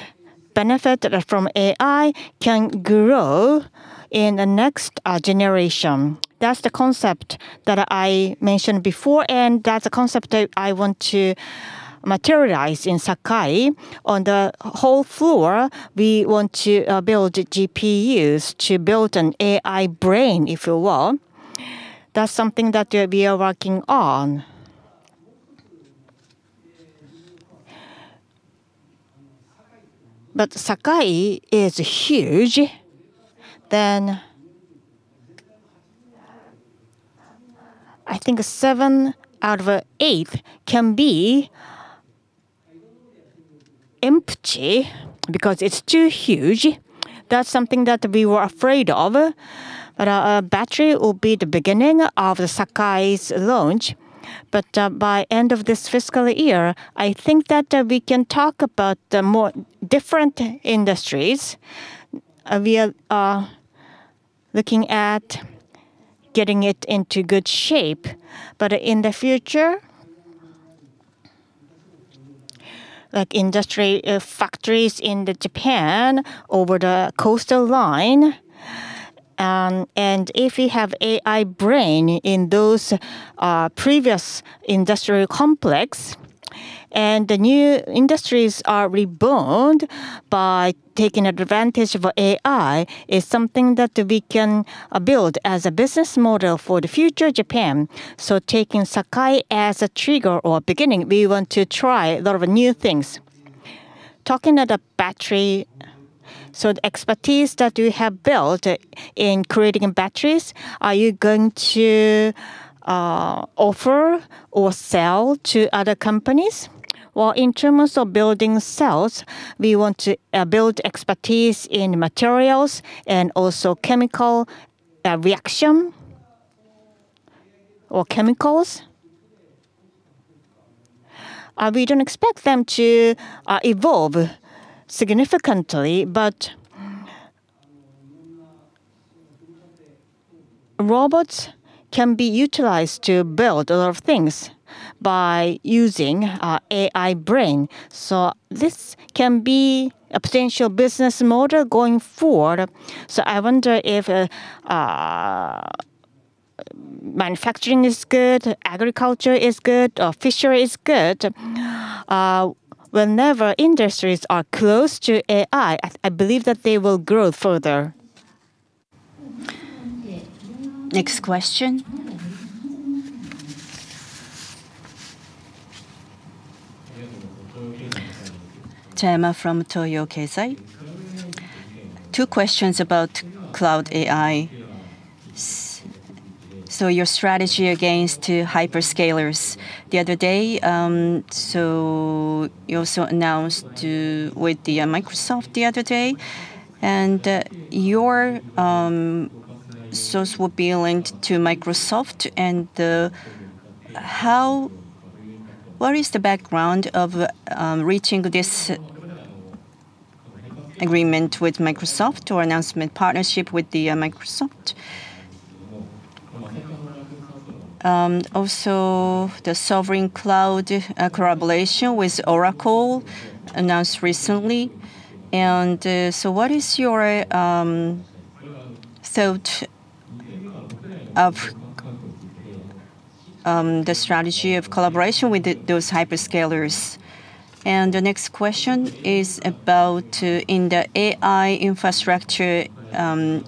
benefit from AI can grow in the next generation. That's the concept that I mentioned before. That's the concept that I want to. Materialize in Sakai on the whole floor, we want to build GPUs to build an AI brain, if you will. That's something that we are working on. Sakai is huge. I think seven out of eight can be empty because it's too huge. That's something that we were afraid of. Our battery will be the beginning of the Sakai's launch. By end of this fiscal year, I think that we can talk about the more different industries. We are looking at getting it into good shape. In the future, like industry, factories in the Japan over the coastal line, and if we have AI brain in those previous industrial complex, and the new industries are reborned by taking advantage of AI is something that we can build as a business model for the future Japan. Taking Sakurai as a trigger or beginning, we want to try a lot of new things. Talking of the battery, the expertise that you have built in creating batteries, are you going to offer or sell to other companies? In terms of building cells, we want to build expertise in materials and also chemical reaction or chemicals. We don't expect them to evolve significantly, but robots can be utilized to build a lot of things by using our AI brain. This can be a potential business model going forward. I wonder if manufacturing is good, agriculture is good, or fishery is good. Whenever industries are close to AI, I believe that they will grow further. Next question. Tama from Toyo Keizai. Two questions about Cloud AI. Your strategy against hyperscalers the other day, you also announced with Microsoft the other day, and your source will be linked to Microsoft. What is the background of reaching this agreement with Microsoft or announcement partnership with Microsoft? Also the Sovereign Cloud collaboration with Oracle announced recently. What is your thought of the strategy of collaboration with those hyperscalers? The next question is about in the AI infrastructure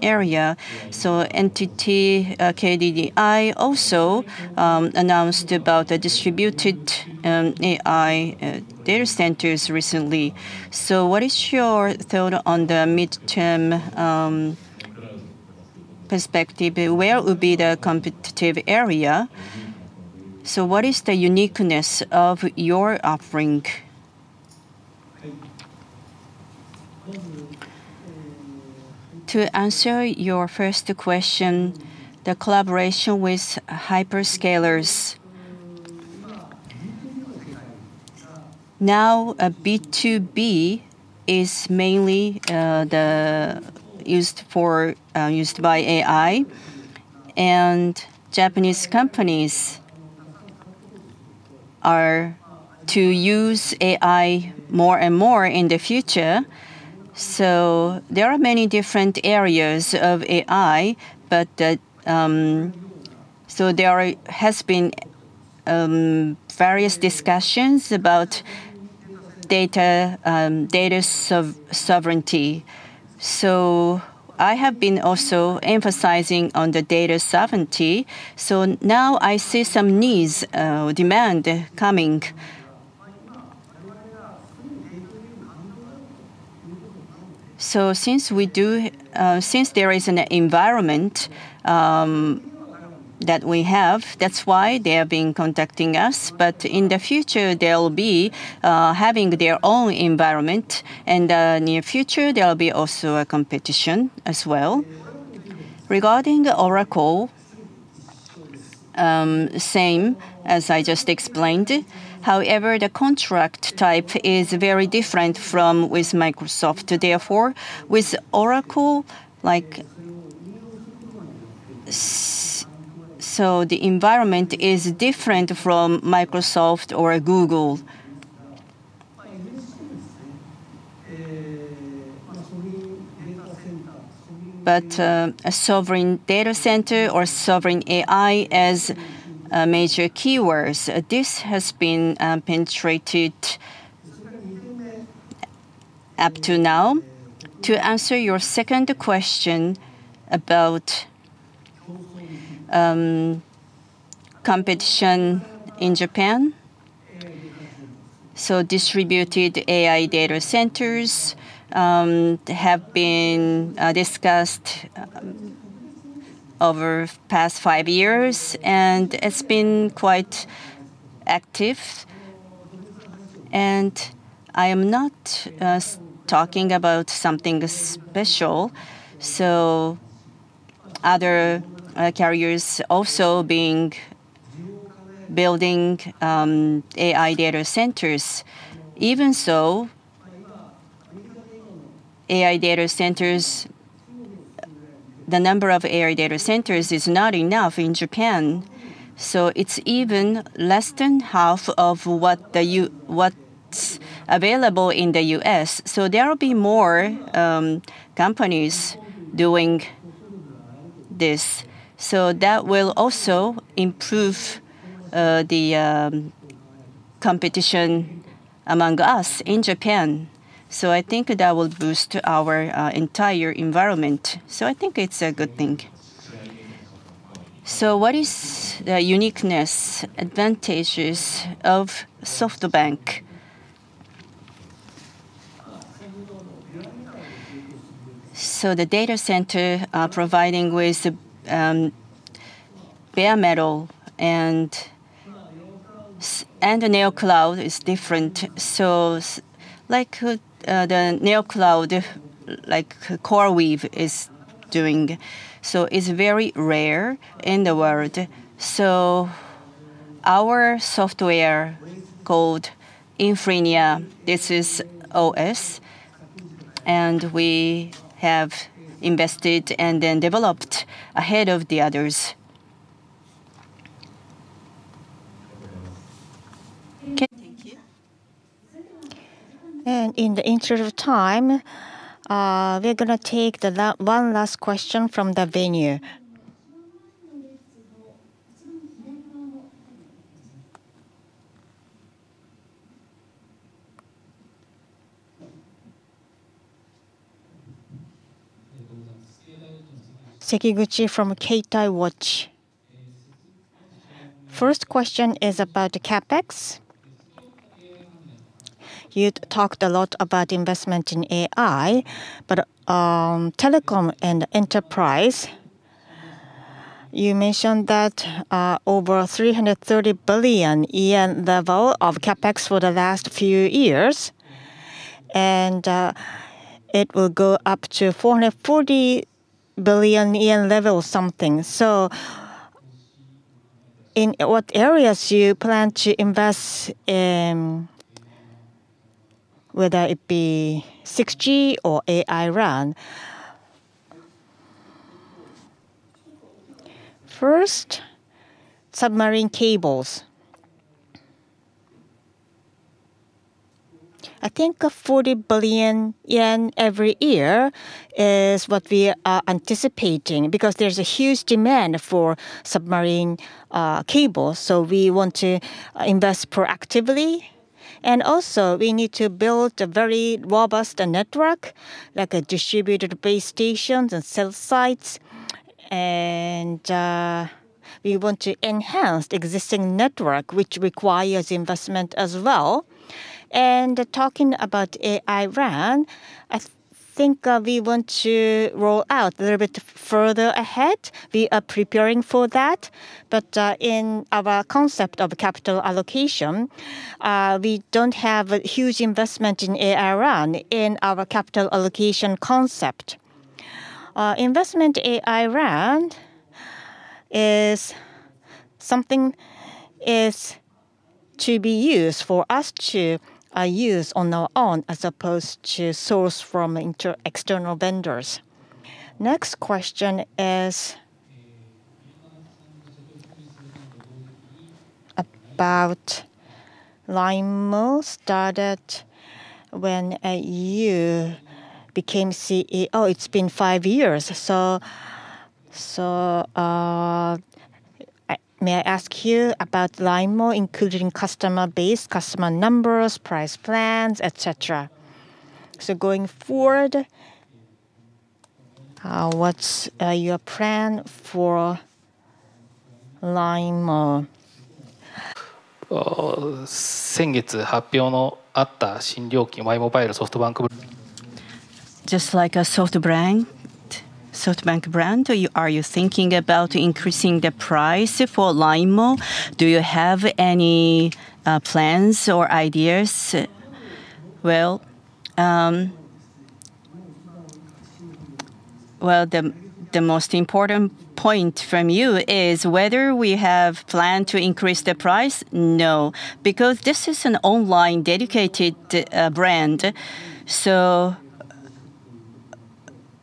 area. NTT, KDDI also announced about the distributed AI data centers recently. What is your thought on the midterm perspective? Where will be the competitive area? What is the uniqueness of your offering? To answer your first question, the collaboration with hyperscalers. Now, B2B is mainly used for used by AI. Japanese companies are to use AI more and more in the future. There are many different areas of AI, but there has been various discussions about data sovereignty. I have been also emphasizing on the data sovereignty. Now I see some needs, demand coming. Since there is an environment that we have, that's why they have been contacting us. In the future, they'll be having their own environment. In the near future, there'll be also a competition as well. Regarding the Oracle, same as I just explained. However, the contract type is very different from with Microsoft. With Oracle, like the environment is different from Microsoft or Google. A sovereign data center or sovereign AI as major keywords. This has been penetrated up to now. To answer your second question about competition in Japan. Distributed AI data centers have been discussed over past five years, and it's been quite active. I am not talking about something special, other carriers also being building AI data centers. AI data centers, the number of AI data centers is not enough in Japan, it's even less than half of what's available in the U.S. There will be more companies doing this. That will also improve the competition among us in Japan. I think that will boost our entire environment. I think it's a good thing. What is the uniqueness, advantages of SoftBank? The data center, providing with the bare metal and the Neocloud is different. Like the Neocloud, like CoreWeave is doing, it's very rare in the world. Our software called Infrinia, this is OS, and we have invested and then developed ahead of the others. Okay. Thank you. In the interest of time, we're gonna take the one last question from the venue. Sekiguchi from Keitai Watch. First question is about the CapEx. You'd talked a lot about investment in AI, telecom and enterprise, you mentioned that over 330 billion yen level of CapEx for the last few years. It will go up to 440 billion yen level something. In what areas do you plan to invest in, whether it be 6G or AI-RAN? First, submarine cables. 40 billion yen every year is what we are anticipating because there is a huge demand for submarine cables, we want to invest proactively. We need to build a very robust network, like a distributed base stations and cell sites. We want to enhance the existing network, which requires investment as well. Talking about AI-RAN, we want to roll out a little bit further ahead. We are preparing for that. In our concept of capital allocation, we don't have a huge investment in AI-RAN in our capital allocation concept. Investment AI-RAN is something is to be used for us to use on our own as opposed to source from inter-external vendors. Next question is about LINEMO started when you became oh, it's been five years. May I ask you about LINEMO, including customer base, customer numbers, price plans, et cetera. Going forward, what's your plan for LINEMO? Just like a SoftBank brand, are you thinking about increasing the price for LINEMO? Do you have any plans or ideas? Well, the most important point from you is whether we have planned to increase the price. No, because this is an online dedicated brand.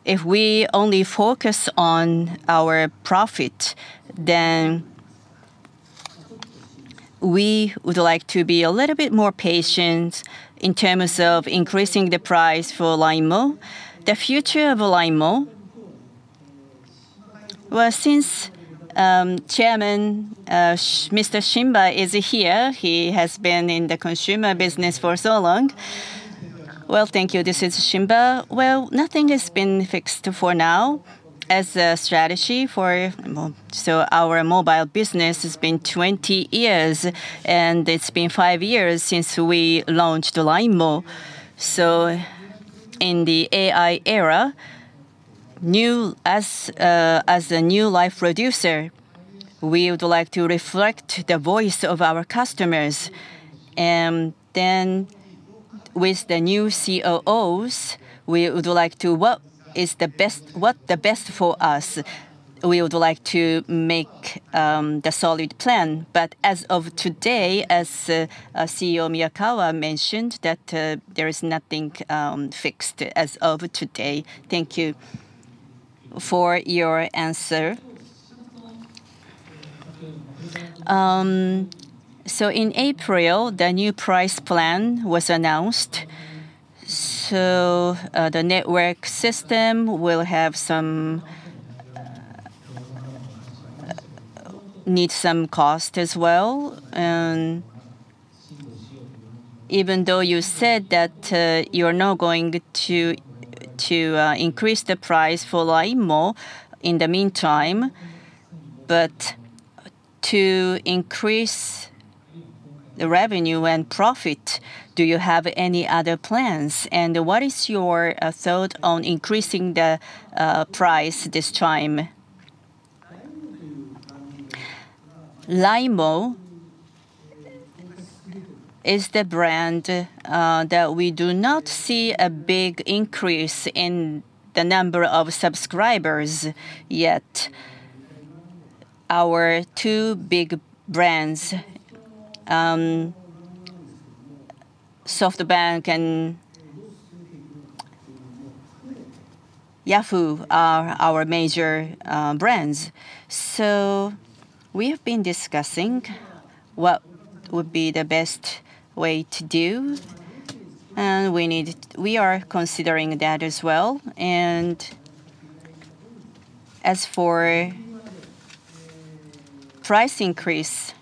If we only focus on our profit, We would like to be a little bit more patient in terms of increasing the price for LINEMO. The future of LINEMO. Since Chairman Shimba is here, he has been in the consumer business for so long. Thank you. This is Shimba. Nothing has been fixed for now as a strategy for LINEMO. Our mobile business has been 20 years, and it's been five years since we launched LINEMO. In the AI era, new As a new life producer, we would like to reflect the voice of our customers. With the new COOs, we would like to what is the best, what the best for us. We would like to make the solid plan. As of today, as CEO Miyakawa mentioned, there is nothing fixed as of today. Thank you for your answer. In April, the new price plan was announced. The network system needs some cost as well. Even though you said that you're not going to increase the price for LINEMO in the meantime, but to increase the revenue and profit, do you have any other plans? What is your thought on increasing the price this time? LINEMO is the brand that we do not see a big increase in the number of subscribers yet. Our two big brands, SoftBank and Yahoo!, are our major brands. We have been discussing what would be the best way to do, and we are considering that as well. As for price increase,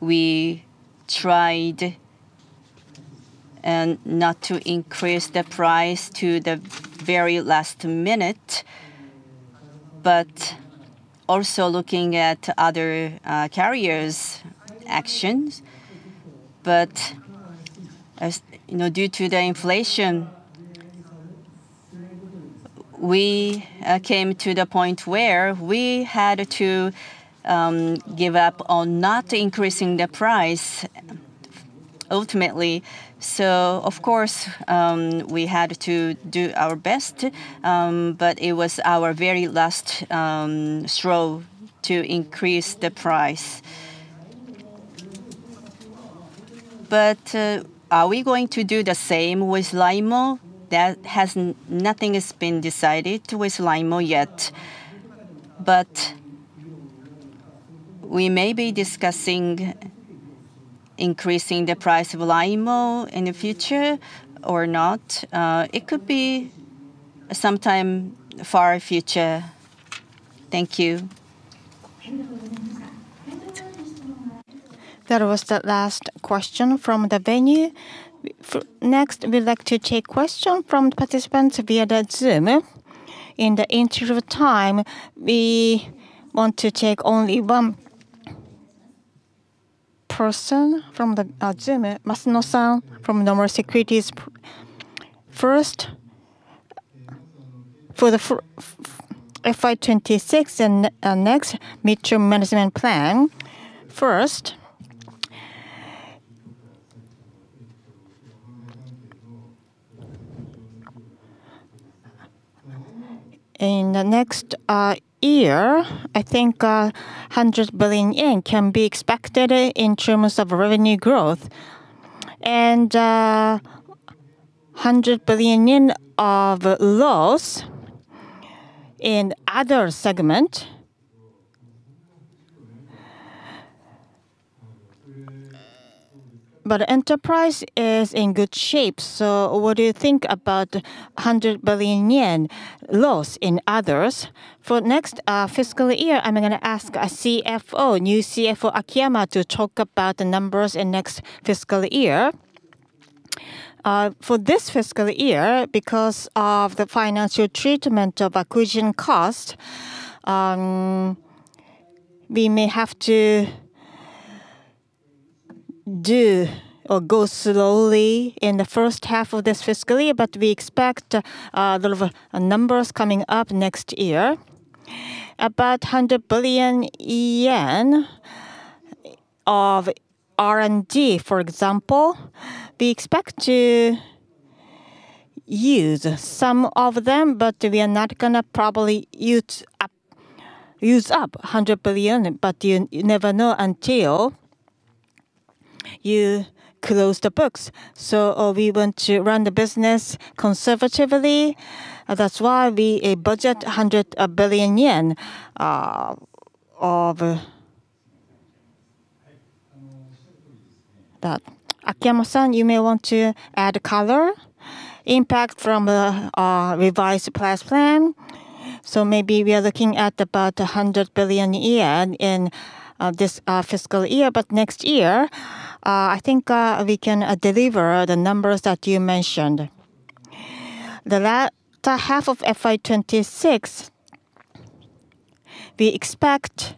we tried, and not to increase the price to the very last minute, but also looking at other carriers' actions. As, you know, due to the inflation, we came to the point where we had to give up on not increasing the price ultimately. Of course, we had to do our best, but it was our very last stroll to increase the price. Are we going to do the same with LINEMO? That has nothing has been decided with LINEMO yet. We may be discussing increasing the price of LINEMO in the future or not. It could be sometime far future. Thank you. That was the last question from the venue. Next, we'd like to take question from participants via the Zoom. In the interim time, we want to take only one person from the Zoom. Masuno-san from Nomura Securities. First, for the FY 2026 and next mid-term management plan. First, in the next year, I think 100 billion yen can be expected in terms of revenue growth. 100 billion yen of loss in other segment. Enterprise is in good shape, so what do you think about 100 billion yen loss in others? For next fiscal year, I'm gonna ask our CFO, new CFO Akiyama, to talk about the numbers in next fiscal year. For this fiscal year, because of the financial treatment of acquisition cost, we may have to do or go slowly in the first half of this fiscal year, but we expect the numbers coming up next year. About 100 billion yen of R&D, for example, we expect to use some of them, but we are not gonna probably use up 100 billion. You never know. You close the books. We want to run the business conservatively. That's why we budget 100 billion yen of That. Akiyama-san, you may want to add color. Impact from the revised plus plan. Maybe we are looking at about 100 billion yen in this fiscal year. Next year, I think we can deliver the numbers that you mentioned. The half of FY 2026, we expect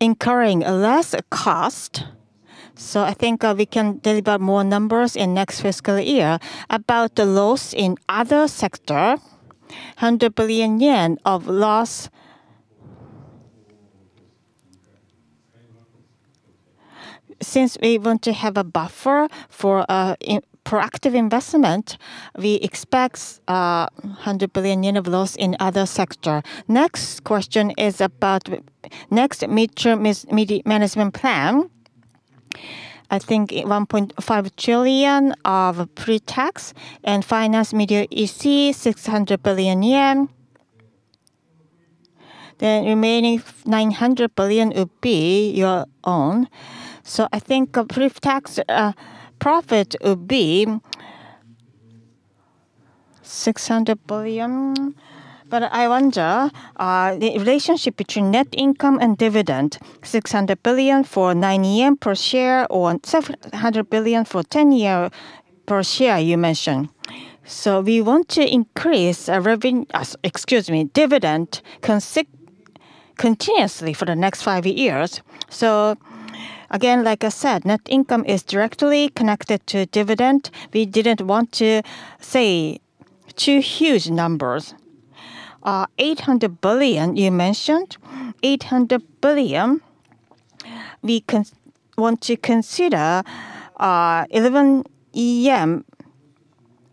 incurring a less cost. I think we can deliver more numbers in next fiscal year. About the loss in other sector, 100 billion yen of loss. Since we want to have a buffer for in proactive investment, we expect 100 billion yen of loss in other sector. Next question is about next midterm management plan. I think 1.5 trillion of pre-tax, and Finance Media EC 600 billion yen. The remaining 900 billion would be your own. I think a pre-tax profit would be 600 billion. I wonder, the relationship between net income and dividend, 600 billion for 9 yen per share, or 700 billion for 10 per share, you mentioned. We want to increase our revenue, dividend continuously for the next five years. Again, like I said, net income is directly connected to dividend. We didn't want to say two huge numbers. 800 billion, you mentioned 800 billion. We want to consider 11 yen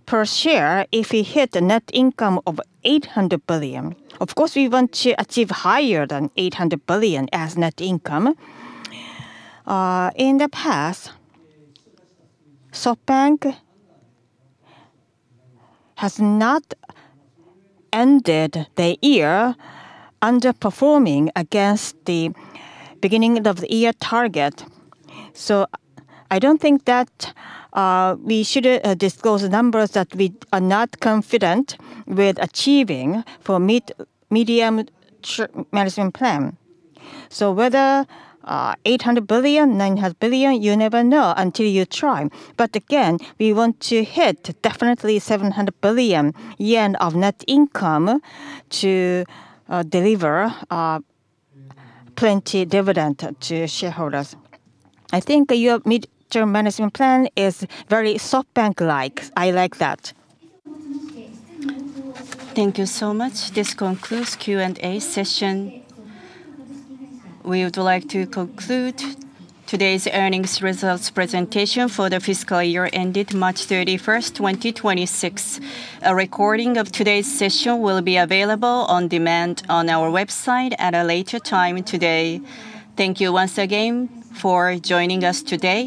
per share if we hit a net income of 800 billion. Of course, we want to achieve higher than 800 billion as net income. In the past, SoftBank has not ended the year underperforming against the beginning of the year target. I don't think that we should disclose the numbers that we are not confident with achieving for mid-term management plan. Whether 800 billion, 900 billion, you never know until you try. Again, we want to hit definitely 700 billion yen of net income to deliver plenty dividend to shareholders. I think your mid-term management plan is very SoftBank-like. I like that. Thank you so much. This concludes Q&A session. We would like to conclude today's earnings results presentation for the fiscal year ended March 31st, 2026. A recording of today's session will be available on demand on our website at a later time today. Thank you once again for joining us today.